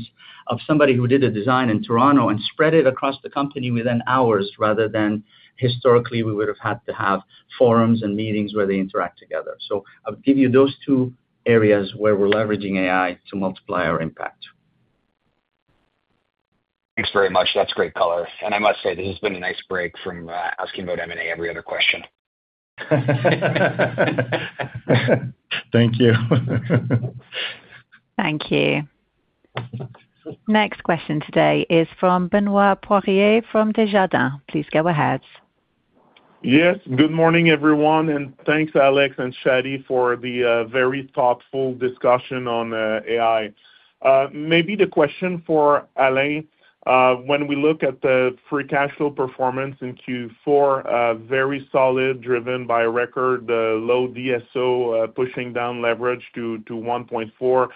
of somebody who did a design in Toronto and spread it across the company within hours, rather than historically, we would have had to have forums and meetings where they interact together. I'll give you those two areas where we're leveraging AI to multiply our impact. Thanks very much. That's great color. I must say, this has been a nice break from asking about M&A every other question. Thank you. Thank you. Next question today is from Benoit Poirier, from Desjardins. Please go ahead. Yes, good morning, everyone, and thanks, Alex and Chadi, for the very thoughtful discussion on AI. Maybe the question for Alain. When we look at the free cash flow performance in Q4, a very solid, driven by record low DSO, pushing down leverage to 1.4.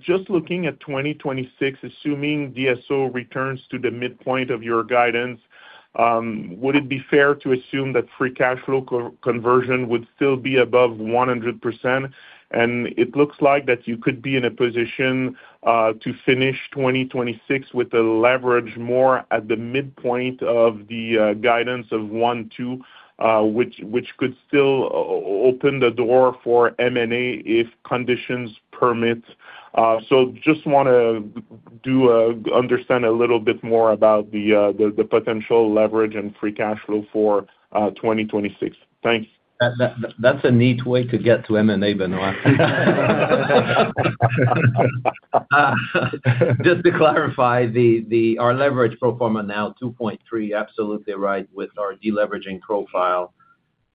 Just looking at 2026, assuming DSO returns to the midpoint of your guidance, would it be fair to assume that free cash flow co- conversion would still be above 100%? It looks like that you could be in a position to finish 2026 with a leverage more at the midpoint of the guidance of 1.2, which could still open the door for M&A if conditions permit. Just want to understand a little bit more about the potential leverage and free cash flow for 2026. Thanks. That's a neat way to get to M&A, Benoit. Just to clarify, our leverage pro forma now 2.3, absolutely right, with our deleveraging profile,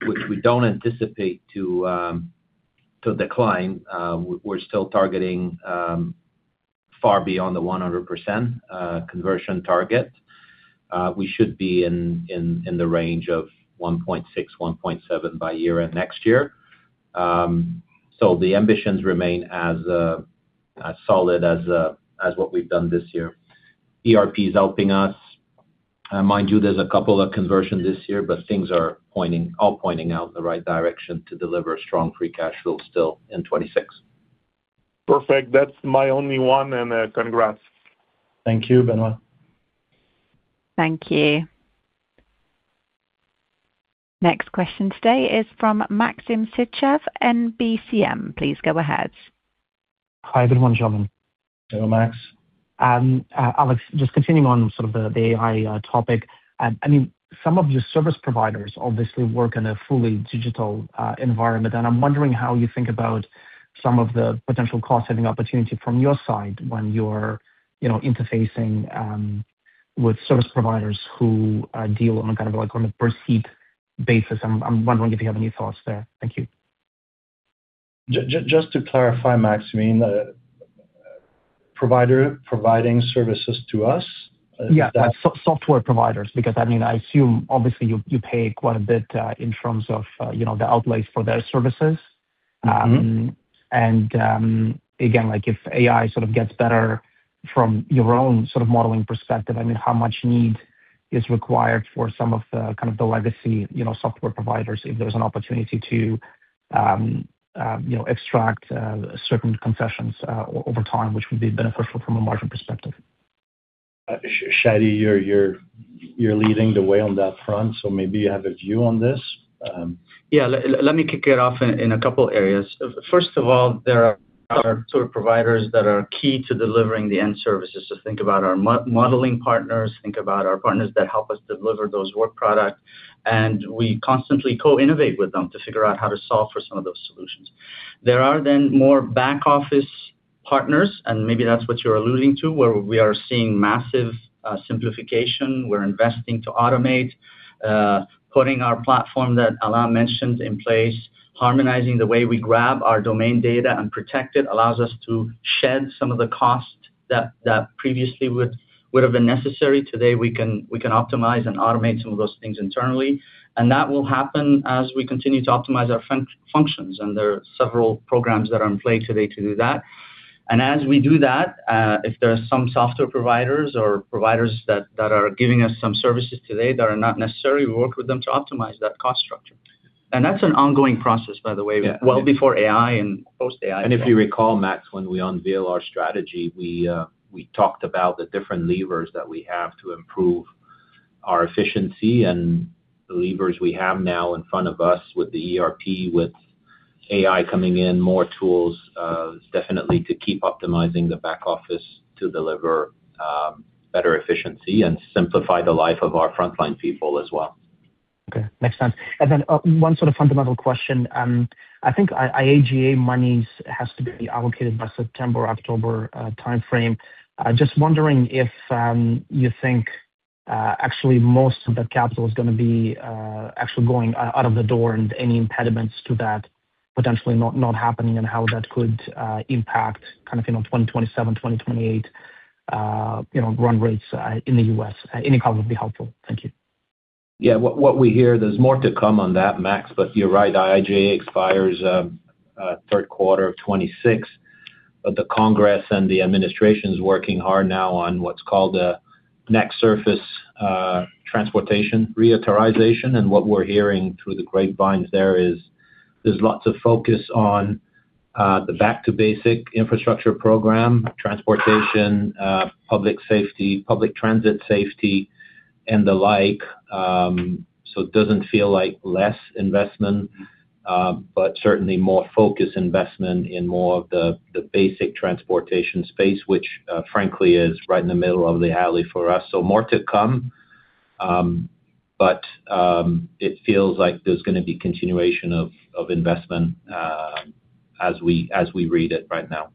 which we don't anticipate to decline. We're still targeting far beyond the 100% conversion target. We should be in the range of 1.6, 1.7 by year-end next year. The ambitions remain as solid as what we've done this year. ERP is helping us. Mind you, there's a couple of conversion this year, things are all pointing out in the right direction to deliver strong free cash flow still in 2026. Perfect. That's my only one, congrats. Thank you, Benoit. Thank you. Next question today is from Maxim Sytchev, NBCM. Please go ahead. Hi, good morning, gentlemen. Hello, Max. Alex, just continuing on sort of the AI topic. I mean, some of your service providers obviously work in a fully digital environment, and I'm wondering how you think about some of the potential cost-saving opportunity from your side when you're, you know, interfacing with service providers who deal on a kind of, like, on a per-seep basis. I'm wondering if you have any thoughts there. Thank you. Just to clarify, Maxim, provider providing services to us? Software providers, because, I mean, I assume obviously you pay quite a bit, in terms of, you know, the outlays for their services. Mm-hmm. Again, like, if AI sort of gets better from your own sort of modeling perspective, I mean, how much need is required for some of the, kind of the legacy, you know, software providers, if there's an opportunity to, you know, extract certain concessions over time, which would be beneficial from a margin perspective? Chadi, you're leading the way on that front, maybe you have a view on this. Yeah, let me kick it off in a couple areas. First of all, there are sort of providers that are key to delivering the end services. Think about our modeling partners, think about our partners that help us deliver those work products. We constantly co-innovate with them to figure out how to solve for some of those solutions. There are more back office partners, and maybe that's what you're alluding to, where we are seeing massive simplification. We're investing to automate, putting our platform that Alain mentioned in place, harmonizing the way we grab our domain data and protect it, allows us to shed some of the cost that previously would have been necessary. Today, we can optimize and automate some of those things internally. That will happen as we continue to optimize our functions, and there are several programs that are in play today to do that. As we do that, if there are some software providers or providers that are giving us some services today that are not necessary, we work with them to optimize that cost structure. That's an ongoing process, by the way. Yeah well before AI and post-AI. If you recall, Max, when we unveiled our strategy, we talked about the different levers that we have to improve our efficiency and the levers we have now in front of us with the ERP, with AI coming in, more tools, definitely to keep optimizing the back office to deliver better efficiency and simplify the life of our frontline people as well. Okay. Makes sense. One sort of fundamental question. I think IIJA monies has to be allocated by September or October timeframe. Just wondering if you think actually most of that capital is gonna be actually going out of the door, and any impediments to that potentially not happening, and how that could impact kind of, you know, 2027, 2028, you know, run rates in the U.S.? Any comment would be helpful. Thank you. Yeah. What we hear, there's more to come on that, Max, You're right, IIJA expires third quarter of 2026. The Congress and the administration is working hard now on what's called the next surface transportation reauthorization. What we're hearing through the grapevines there is, there's lots of focus on the back to basic infrastructure program, transportation, public safety, public transit safety, and the like. It doesn't feel like less investment, but certainly more focused investment in more of the basic transportation space, which, frankly, is right in the middle of the alley for us. More to come, but it feels like there's gonna be continuation of investment as we, as we read it right now.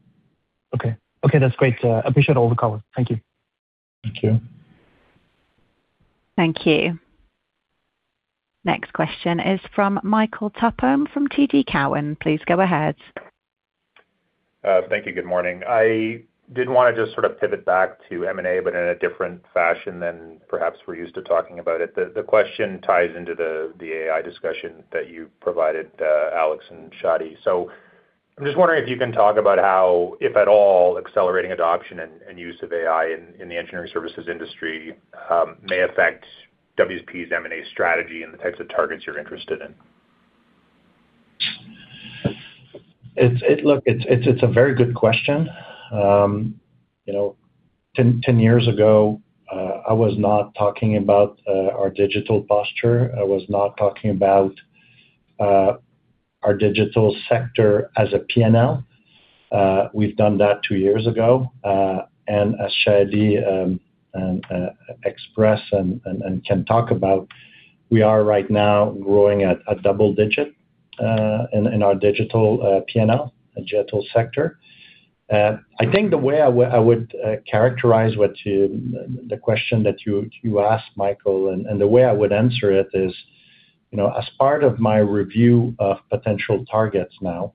Okay. Okay, that's great, appreciate all the color. Thank you. Thank you. Thank you. Next question is from Michael Tupholme, from TD Cowen. Please go ahead. Thank you. Good morning. I did wanna just sort of pivot back to M&A, but in a different fashion than perhaps we're used to talking about it. The, the question ties into the AI discussion that you provided, Alex and Chadi .I'm just wondering if you can talk about how, if at all, accelerating adoption and use of AI in the engineering services industry, may affect WSP's M&A strategy and the types of targets you're interested in? It's a very good question. You know, 10 years ago, I was not talking about our digital posture. I was not talking about our digital sector as a P&L. We've done that two years ago. As Chadi express and can talk about, we are right now growing at a double digit in our digital P&L, digital sector. I think the way I would characterize the question that you asked, Michael, the way I would answer it is, you know, as part of my review of potential targets now,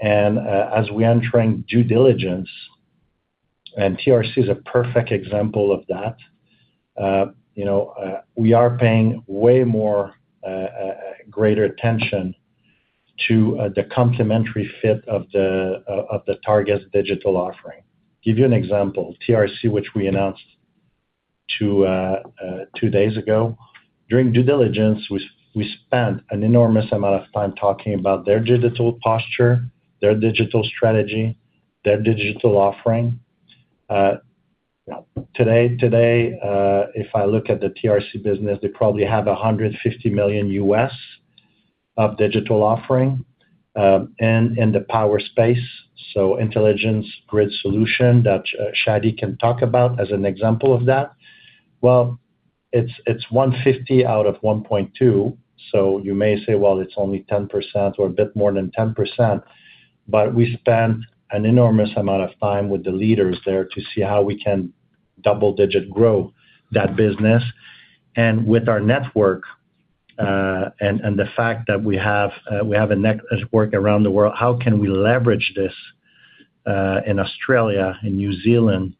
as we enter in due diligence, TRC is a perfect example of that, you know, we are paying way more, greater attention to the complementary fit of the target's digital offering. Give you an example, TRC, which we announced two days ago. During due diligence, we spent an enormous amount of time talking about their digital posture, their digital strategy, their digital offering. Today, today, if I look at the TRC business, they probably have $150 million U.S., of digital offering, and in the power space, so intelligence grid solution that Chadi can talk about as an example of that. Well, it's $150 out of $1.2, so you may say, well, it's only 10% or a bit more than 10%, but we spent an enormous amount of time with the leaders there to see how we can double-digit grow that business. With our network, and the fact that we have a network around the world, how can we leverage this in Australia, New Zealand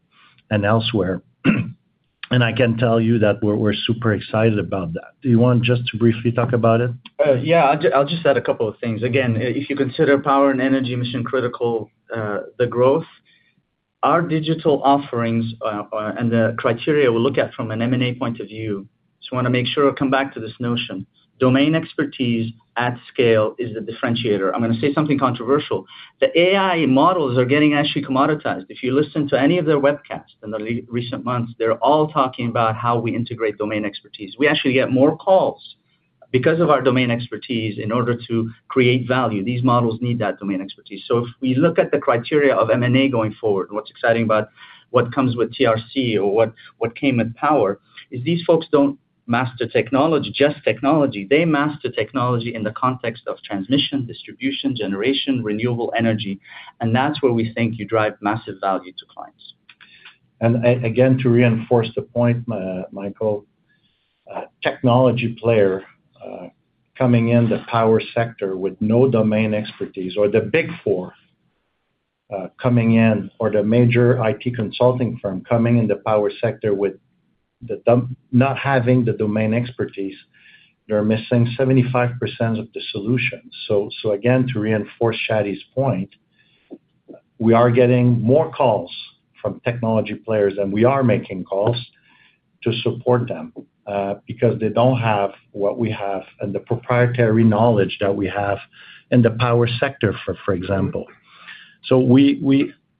and elsewhere? I can tell you that we're super excited about that. Do you want just to briefly talk about it? Yeah, I'll just add a couple of things. If you consider power and energy mission-critical, the growth, our digital offerings, and the criteria we look at from an M&A point of view, just wanna make sure I come back to this notion, domain expertise at scale is the differentiator. I'm gonna say something controversial. The AI models are getting actually commoditized. If you listen to any of their webcasts in recent months, they're all talking about how we integrate domain expertise. We actually get more calls because of our domain expertise. In order to create value, these models need that domain expertise. If we look at the criteria of M&A going forward, what's exciting about what comes with TRC or what came with power, is these folks don't master technology, just technology. They master technology in the context of transmission, distribution, generation, renewable energy, and that's where we think you drive massive value to clients. Again, to reinforce the point, Michael, technology player, coming in the power sector with no domain expertise or the Big Four, coming in, or the major IT consulting firm coming in the power sector with not having the domain expertise, they're missing 75% of the solution. Again, to reinforce Chadi's point, we are getting more calls from technology players, and we are making calls to support them, because they don't have what we have and the proprietary knowledge that we have in the power sector, for example.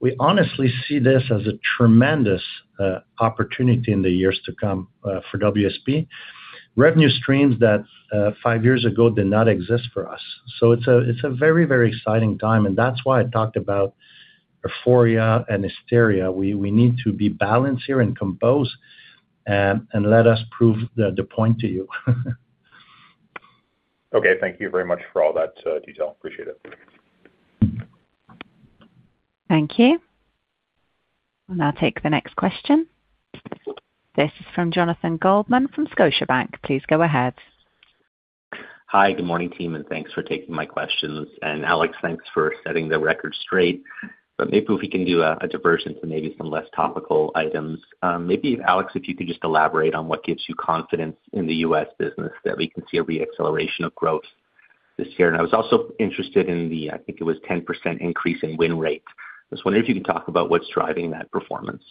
We honestly see this as a tremendous opportunity in the years to come for WSP. Revenue streams that 5 years ago did not exist for us. It's a very, very exciting time, and that's why I talked about euphoria and hysteria. We need to be balanced here and composed, and let us prove the point to you. Okay, thank you very much for all that detail. Appreciate it. Thank you. We'll now take the next question. This is from Jonathan Goldman from Scotiabank. Please go ahead. Hi, good morning, team, thanks for taking my questions. Alex, thanks for setting the record straight, but maybe if we can do a diversion to maybe some less topical items. Maybe Alex, if you could just elaborate on what gives you confidence in the U.S. business, that we can see a reacceleration of growth this year. I was also interested in the, I think it was 10% increase in win rate. I was wondering if you can talk about what's driving that performance.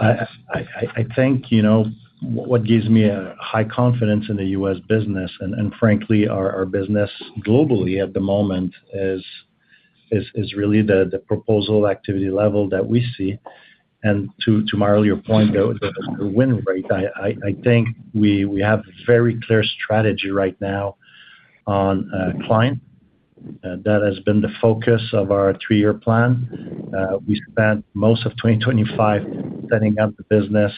I think, you know, what gives me a high confidence in the U.S. business and, frankly, our business globally at the moment is really the proposal activity level that we see. To my earlier point, the win rate, I think we have a very clear strategy right now on client. That has been the focus of our three-year plan. We spent most of 2025 setting up the business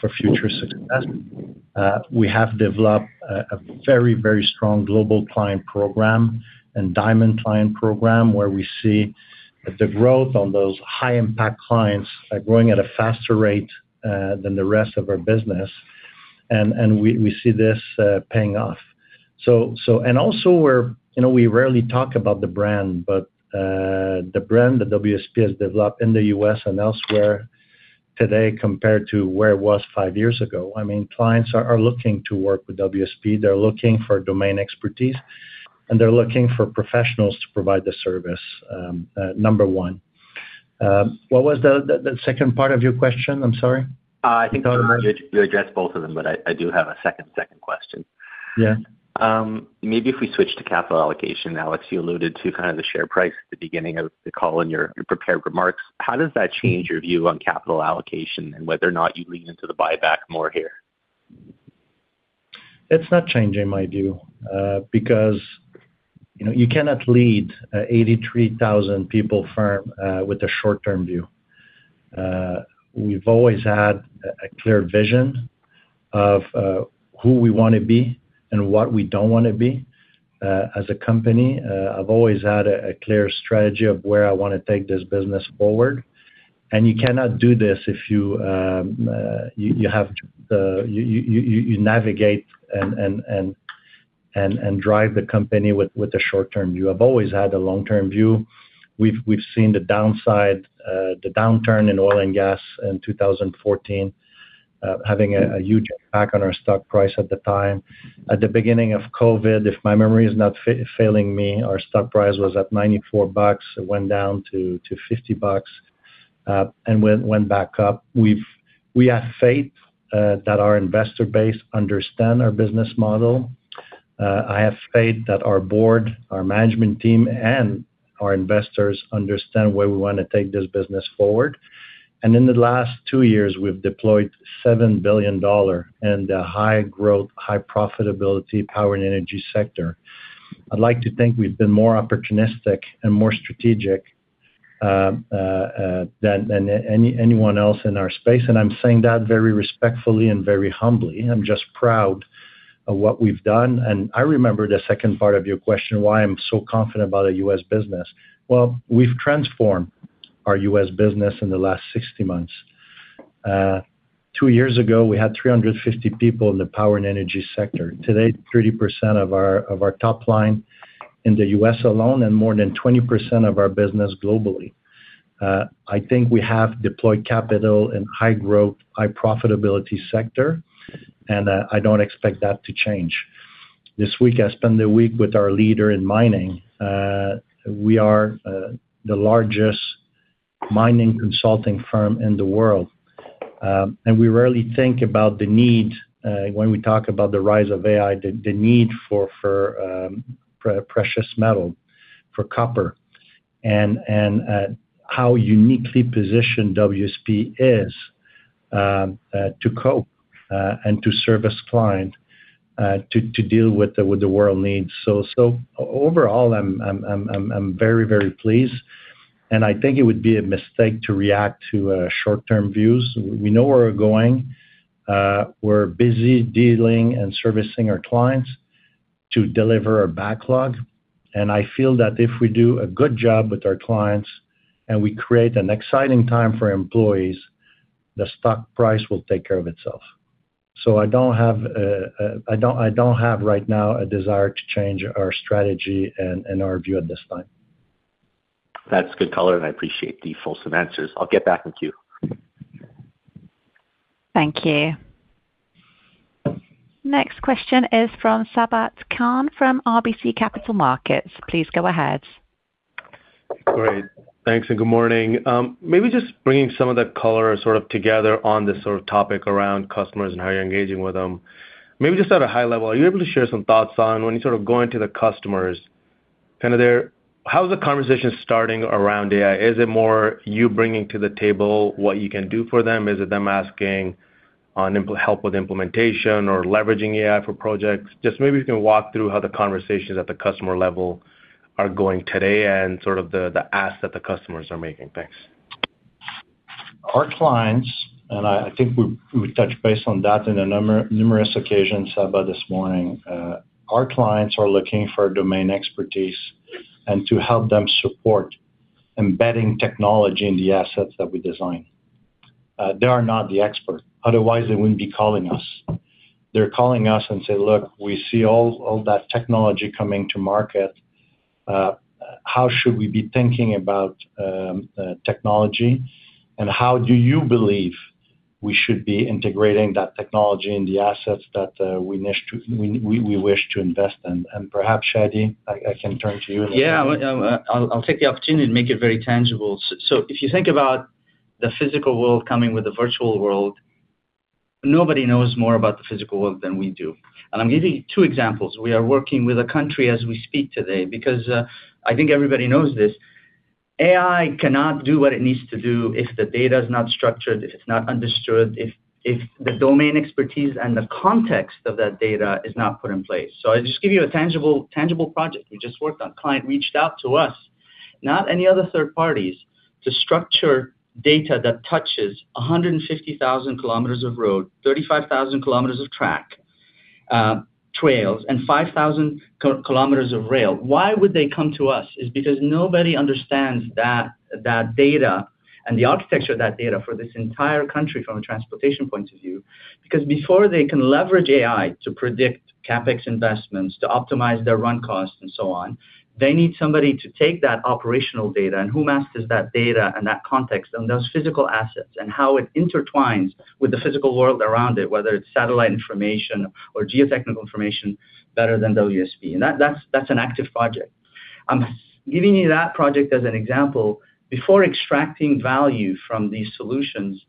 for future success. We have developed a very, very strong global client program and diamond client program, where we see the growth on those high-impact clients are growing at a faster rate than the rest of our business, and we see this paying off. Also we're... You know, we rarely talk about the brand, but the brand that WSP has developed in the U.S. and elsewhere today, compared to where it was five years ago, I mean, clients are looking to work with WSP. They're looking for domain expertise.... and they're looking for professionals to provide the service, number one. What was the second part of your question? I'm sorry. I think you addressed both of them, but I do have a second question. Yes. Maybe if we switch to capital allocation now, as you alluded to kind of the share price at the beginning of the call in your prepared remarks, how does that change your view on capital allocation and whether or not you lean into the buyback more here? It's not changing my view, because, you know, you cannot lead 83,000 people firm with a short-term view. We've always had a clear vision of who we wanna be and what we don't wanna be as a company. I've always had a clear strategy of where I wanna take this business forward. You cannot do this if you have to navigate and drive the company with a short-term view. I've always had a long-term view. We've seen the downside, the downturn in oil and gas in 2014, having a huge impact on our stock price at the time. At the beginning of COVID, if my memory is not failing me, our stock price was at 94 bucks. It went down to 50 bucks and went back up. We have faith that our investor base understand our business model. I have faith that our board, our management team, and our investors understand where we wanna take this business forward. In the last two years, we've deployed 7 billion dollar in the high-growth, high-profitability power and energy sector. I'd like to think we've been more opportunistic and more strategic than anyone else in our space, and I'm saying that very respectfully and very humbly. I'm just proud of what we've done. I remember the second part of your question, why I'm so confident about our U.S. business. We've transformed our U.S. business in the last 60 months. Two years ago, we had 350 people in the power and energy sector. Today, 30% of our top line in the US alone and more than 20% of our business globally. I think we have deployed capital in high-growth, high-profitability sector, and I don't expect that to change. This week, I spent the week with our leader in mining. We are the largest mining consulting firm in the world. We rarely think about the need when we talk about the rise of AI, the need for precious metal, for copper, and how uniquely positioned WSP is to cope and to service client to deal with the world needs. Overall, I'm very, very pleased, and I think it would be a mistake to react to short-term views. We know where we're going. We're busy dealing and servicing our clients to deliver our backlog. I feel that if we do a good job with our clients and we create an exciting time for employees, the stock price will take care of itself. I don't have right now a desire to change our strategy and our view at this time. That's good color. I appreciate the fulsome answers. I'll get back with you. Thank you. Next question is from Sabahat Khan from RBC Capital Markets. Please go ahead. Great. Thanks, and good morning. Maybe just bringing some of that color sort of together on this sort of topic around customers and how you're engaging with them. Maybe just at a high level, are you able to share some thoughts on when you're sort of going to the customers? How is the conversation starting around AI? Is it more you bringing to the table what you can do for them? Is it them asking on help with implementation or leveraging AI for projects? Just maybe you can walk through how the conversations at the customer level are going today and sort of the ask that the customers are making. Thanks. Our clients, I think we touched base on that in numerous occasions about this morning. Our clients are looking for domain expertise and to help them support embedding technology in the assets that we design. They are not the expert, otherwise they wouldn't be calling us. They're calling us and say: Look, we see all that technology coming to market. How should we be thinking about technology, and how do you believe we should be integrating that technology in the assets that we wish to invest in? Perhaps, Chadi, I can turn to you. Yeah, well, I'll take the opportunity to make it very tangible. If you think about the physical world coming with the virtual world, nobody knows more about the physical world than we do. I'm giving you two examples. We are working with a country as we speak today because I think everybody knows this: AI cannot do what it needs to do if the data is not structured, if it's not understood, if the domain expertise and the context of that data is not put in place. I'll just give you a tangible project we just worked on. Client reached out to us, not any other third parties, to structure data that touches 150,000 km of road, 35,000 km of track, trails, and 5,000 km of rail. Why would they come to us? Is because nobody understands that data and the architecture of that data for this entire country from a transportation point of view. Because before they can leverage AI to predict CapEx investments, to optimize their run costs and so on, they need somebody to take that operational data and who masters that data and that context and those physical assets and how it intertwines with the physical world around it, whether it's satellite information or geotechnical information, better than WSP. That's an active project. I'm giving you that project as an example. Before extracting value from these solutions,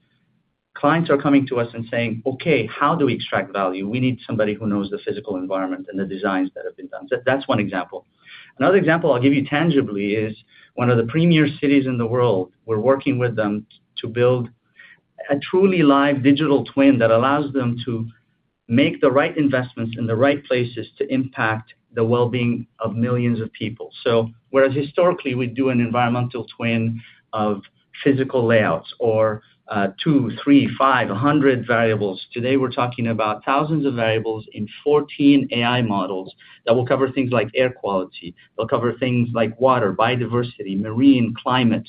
clients are coming to us and saying, "Okay, how do we extract value? We need somebody who knows the physical environment and the designs that have been done." That's one example. Another example I'll give you tangibly is, one of the premier cities in the world, we're working with them to build a truly live digital twin that allows them to make the right investments in the right places to impact the well-being of millions of people. Whereas historically we'd do an environmental twin of physical layouts or, two, three, five, 100 variables, today we're talking about thousands of variables in 14 AI models that will cover things like air quality. They'll cover things like water, biodiversity, marine, climate.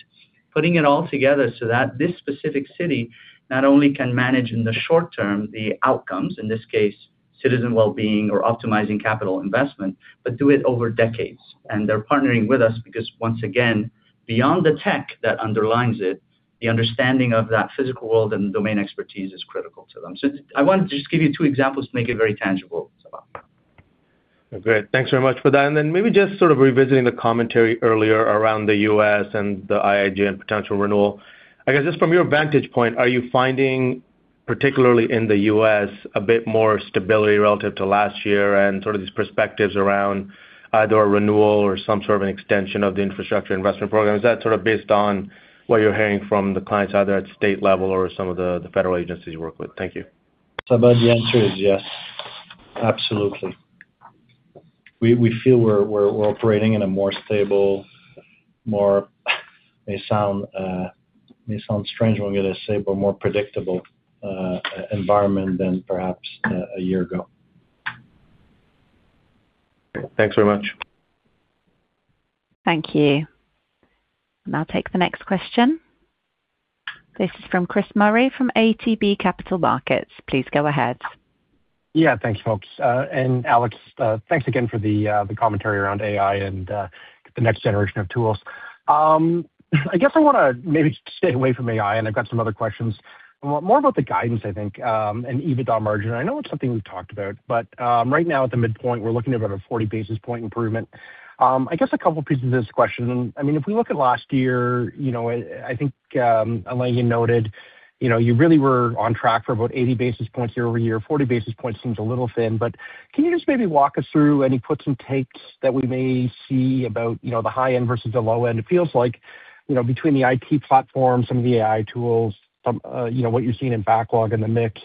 Putting it all together so that this specific city not only can manage in the short term, the outcomes, in this case, citizen well-being or optimizing capital investment, but do it over decades. They're partnering with us because once again, beyond the tech that underlines it, the understanding of that physical world and domain expertise is critical to them. I wanted to just give you two examples to make it very tangible, Sabah. Great. Thanks very much for that. Maybe just sort of revisiting the commentary earlier around the U.S. and the IIG and potential renewal. I guess, just from your vantage point, are you finding, particularly in the U.S., a bit more stability relative to last year and sort of these perspectives around either a renewal or some sort of an extension of the infrastructure investment program? Is that sort of based on what you're hearing from the clients, either at state level or some of the federal agencies you work with? Thank you. Sabahat, the answer is yes, absolutely. We feel we're operating in a more stable, more, may sound strange when we say, but more predictable environment than perhaps a year ago. Thanks very much. Thank you. I'll take the next question. This is from Chris Murray, from ATB Capital Markets. Please go ahead. Yeah, thanks, folks. Alex, thanks again for the commentary around AI and the next generation of tools. I guess I wanna maybe stay away from AI. I've got some other questions. More about the guidance, I think. EBITDA margin. I know it's something we've talked about. Right now at the midpoint, we're looking at about a 40 basis point improvement. I guess a couple pieces of this question. I mean, if we look at last year, you know, I think, Alain, you noted, you know, you really were on track for about 80 basis points year-over-year. 40 basis points seems a little thin. Can you just maybe walk us through any puts and takes that we may see about, you know, the high end versus the low end? It feels like, you know, between the IT platform, some of the AI tools, some, you know, what you're seeing in backlog in the mix,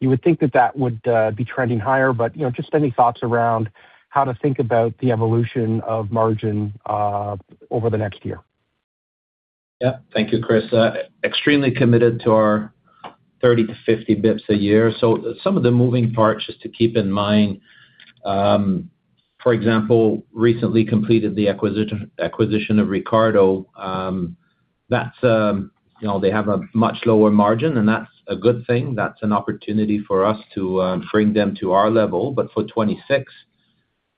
you would think that that would be trending higher. You know, just any thoughts around how to think about the evolution of margin over the next year? Yeah. Thank you, Chris. extremely committed to our 30 to 50 bips a year. Some of the moving parts, just to keep in mind, for example, recently completed the acquisition of Ricardo. That's, you know, they have a much lower margin, and that's a good thing. That's an opportunity for us to bring them to our level. For 2026,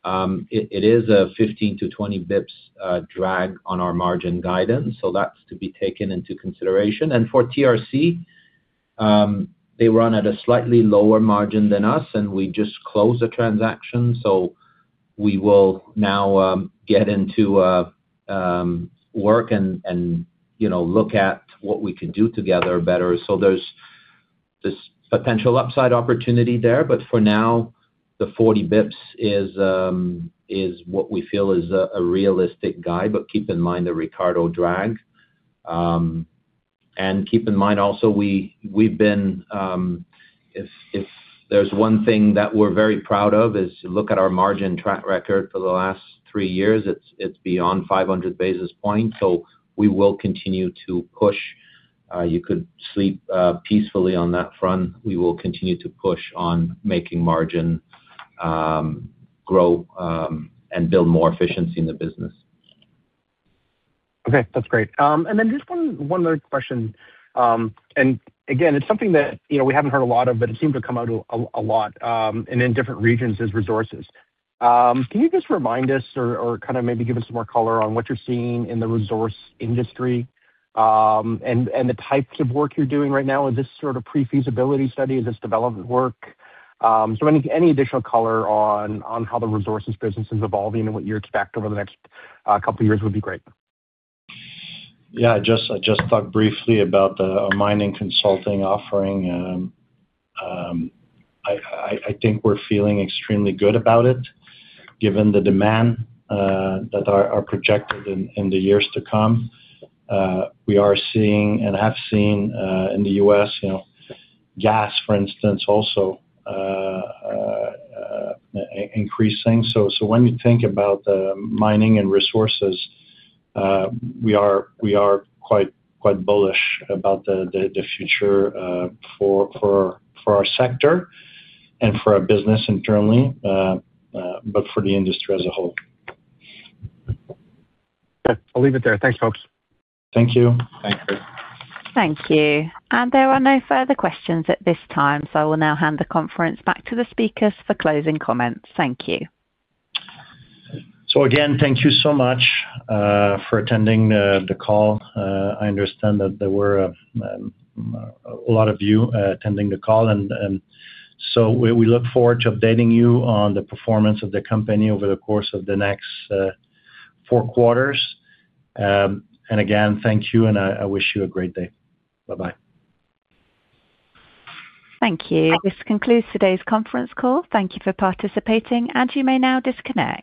it is a 15 to 20 bips drag on our margin guidance, so that's to be taken into consideration. For TRC, they run at a slightly lower margin than us, and we just closed the transaction, so we will now get into work and, you know, look at what we can do together better. There's this potential upside opportunity there, but for now, the 40 basis points is what we feel is a realistic guide. Keep in mind the Ricardo drag. Keep in mind also, we've been, if there's one thing that we're very proud of, is look at our margin track record for the last three years, it's beyond 500 basis points, so we will continue to push. You could sleep peacefully on that front. We will continue to push on making margin grow and build more efficiency in the business. Okay, that's great. Just one other question. Again, it's something that, you know, we haven't heard a lot of, but it seemed to come out a lot, and in different regions as resources. Can you just remind us or kind of maybe give us some more color on what you're seeing in the resource industry, and the types of work you're doing right now? Is this sort of pre-feasibility study? Is this development work? Any additional color on how the resources business is evolving and what you expect over the next couple years would be great. I just talked briefly about the mining consulting offering. I think we're feeling extremely good about it, given the demand that are projected in the years to come. We are seeing and have seen in the U.S., you know, gas, for instance, also increasing. When you think about the mining and resources, we are quite bullish about the future for our sector and for our business internally, but for the industry as a whole. Okay. I'll leave it there. Thanks, folks. Thank you. Thanks, Chris. Thank you. There are no further questions at this time, I will now hand the conference back to the speakers for closing comments. Thank you. Again, thank you so much for attending the call. I understand that there were a lot of you attending the call, and so we look forward to updating you on the performance of the company over the course of the next four quarters. Again, thank you, and I wish you a great day. Bye-bye. Thank you. This concludes today's conference call. Thank you for participating, and you may now disconnect.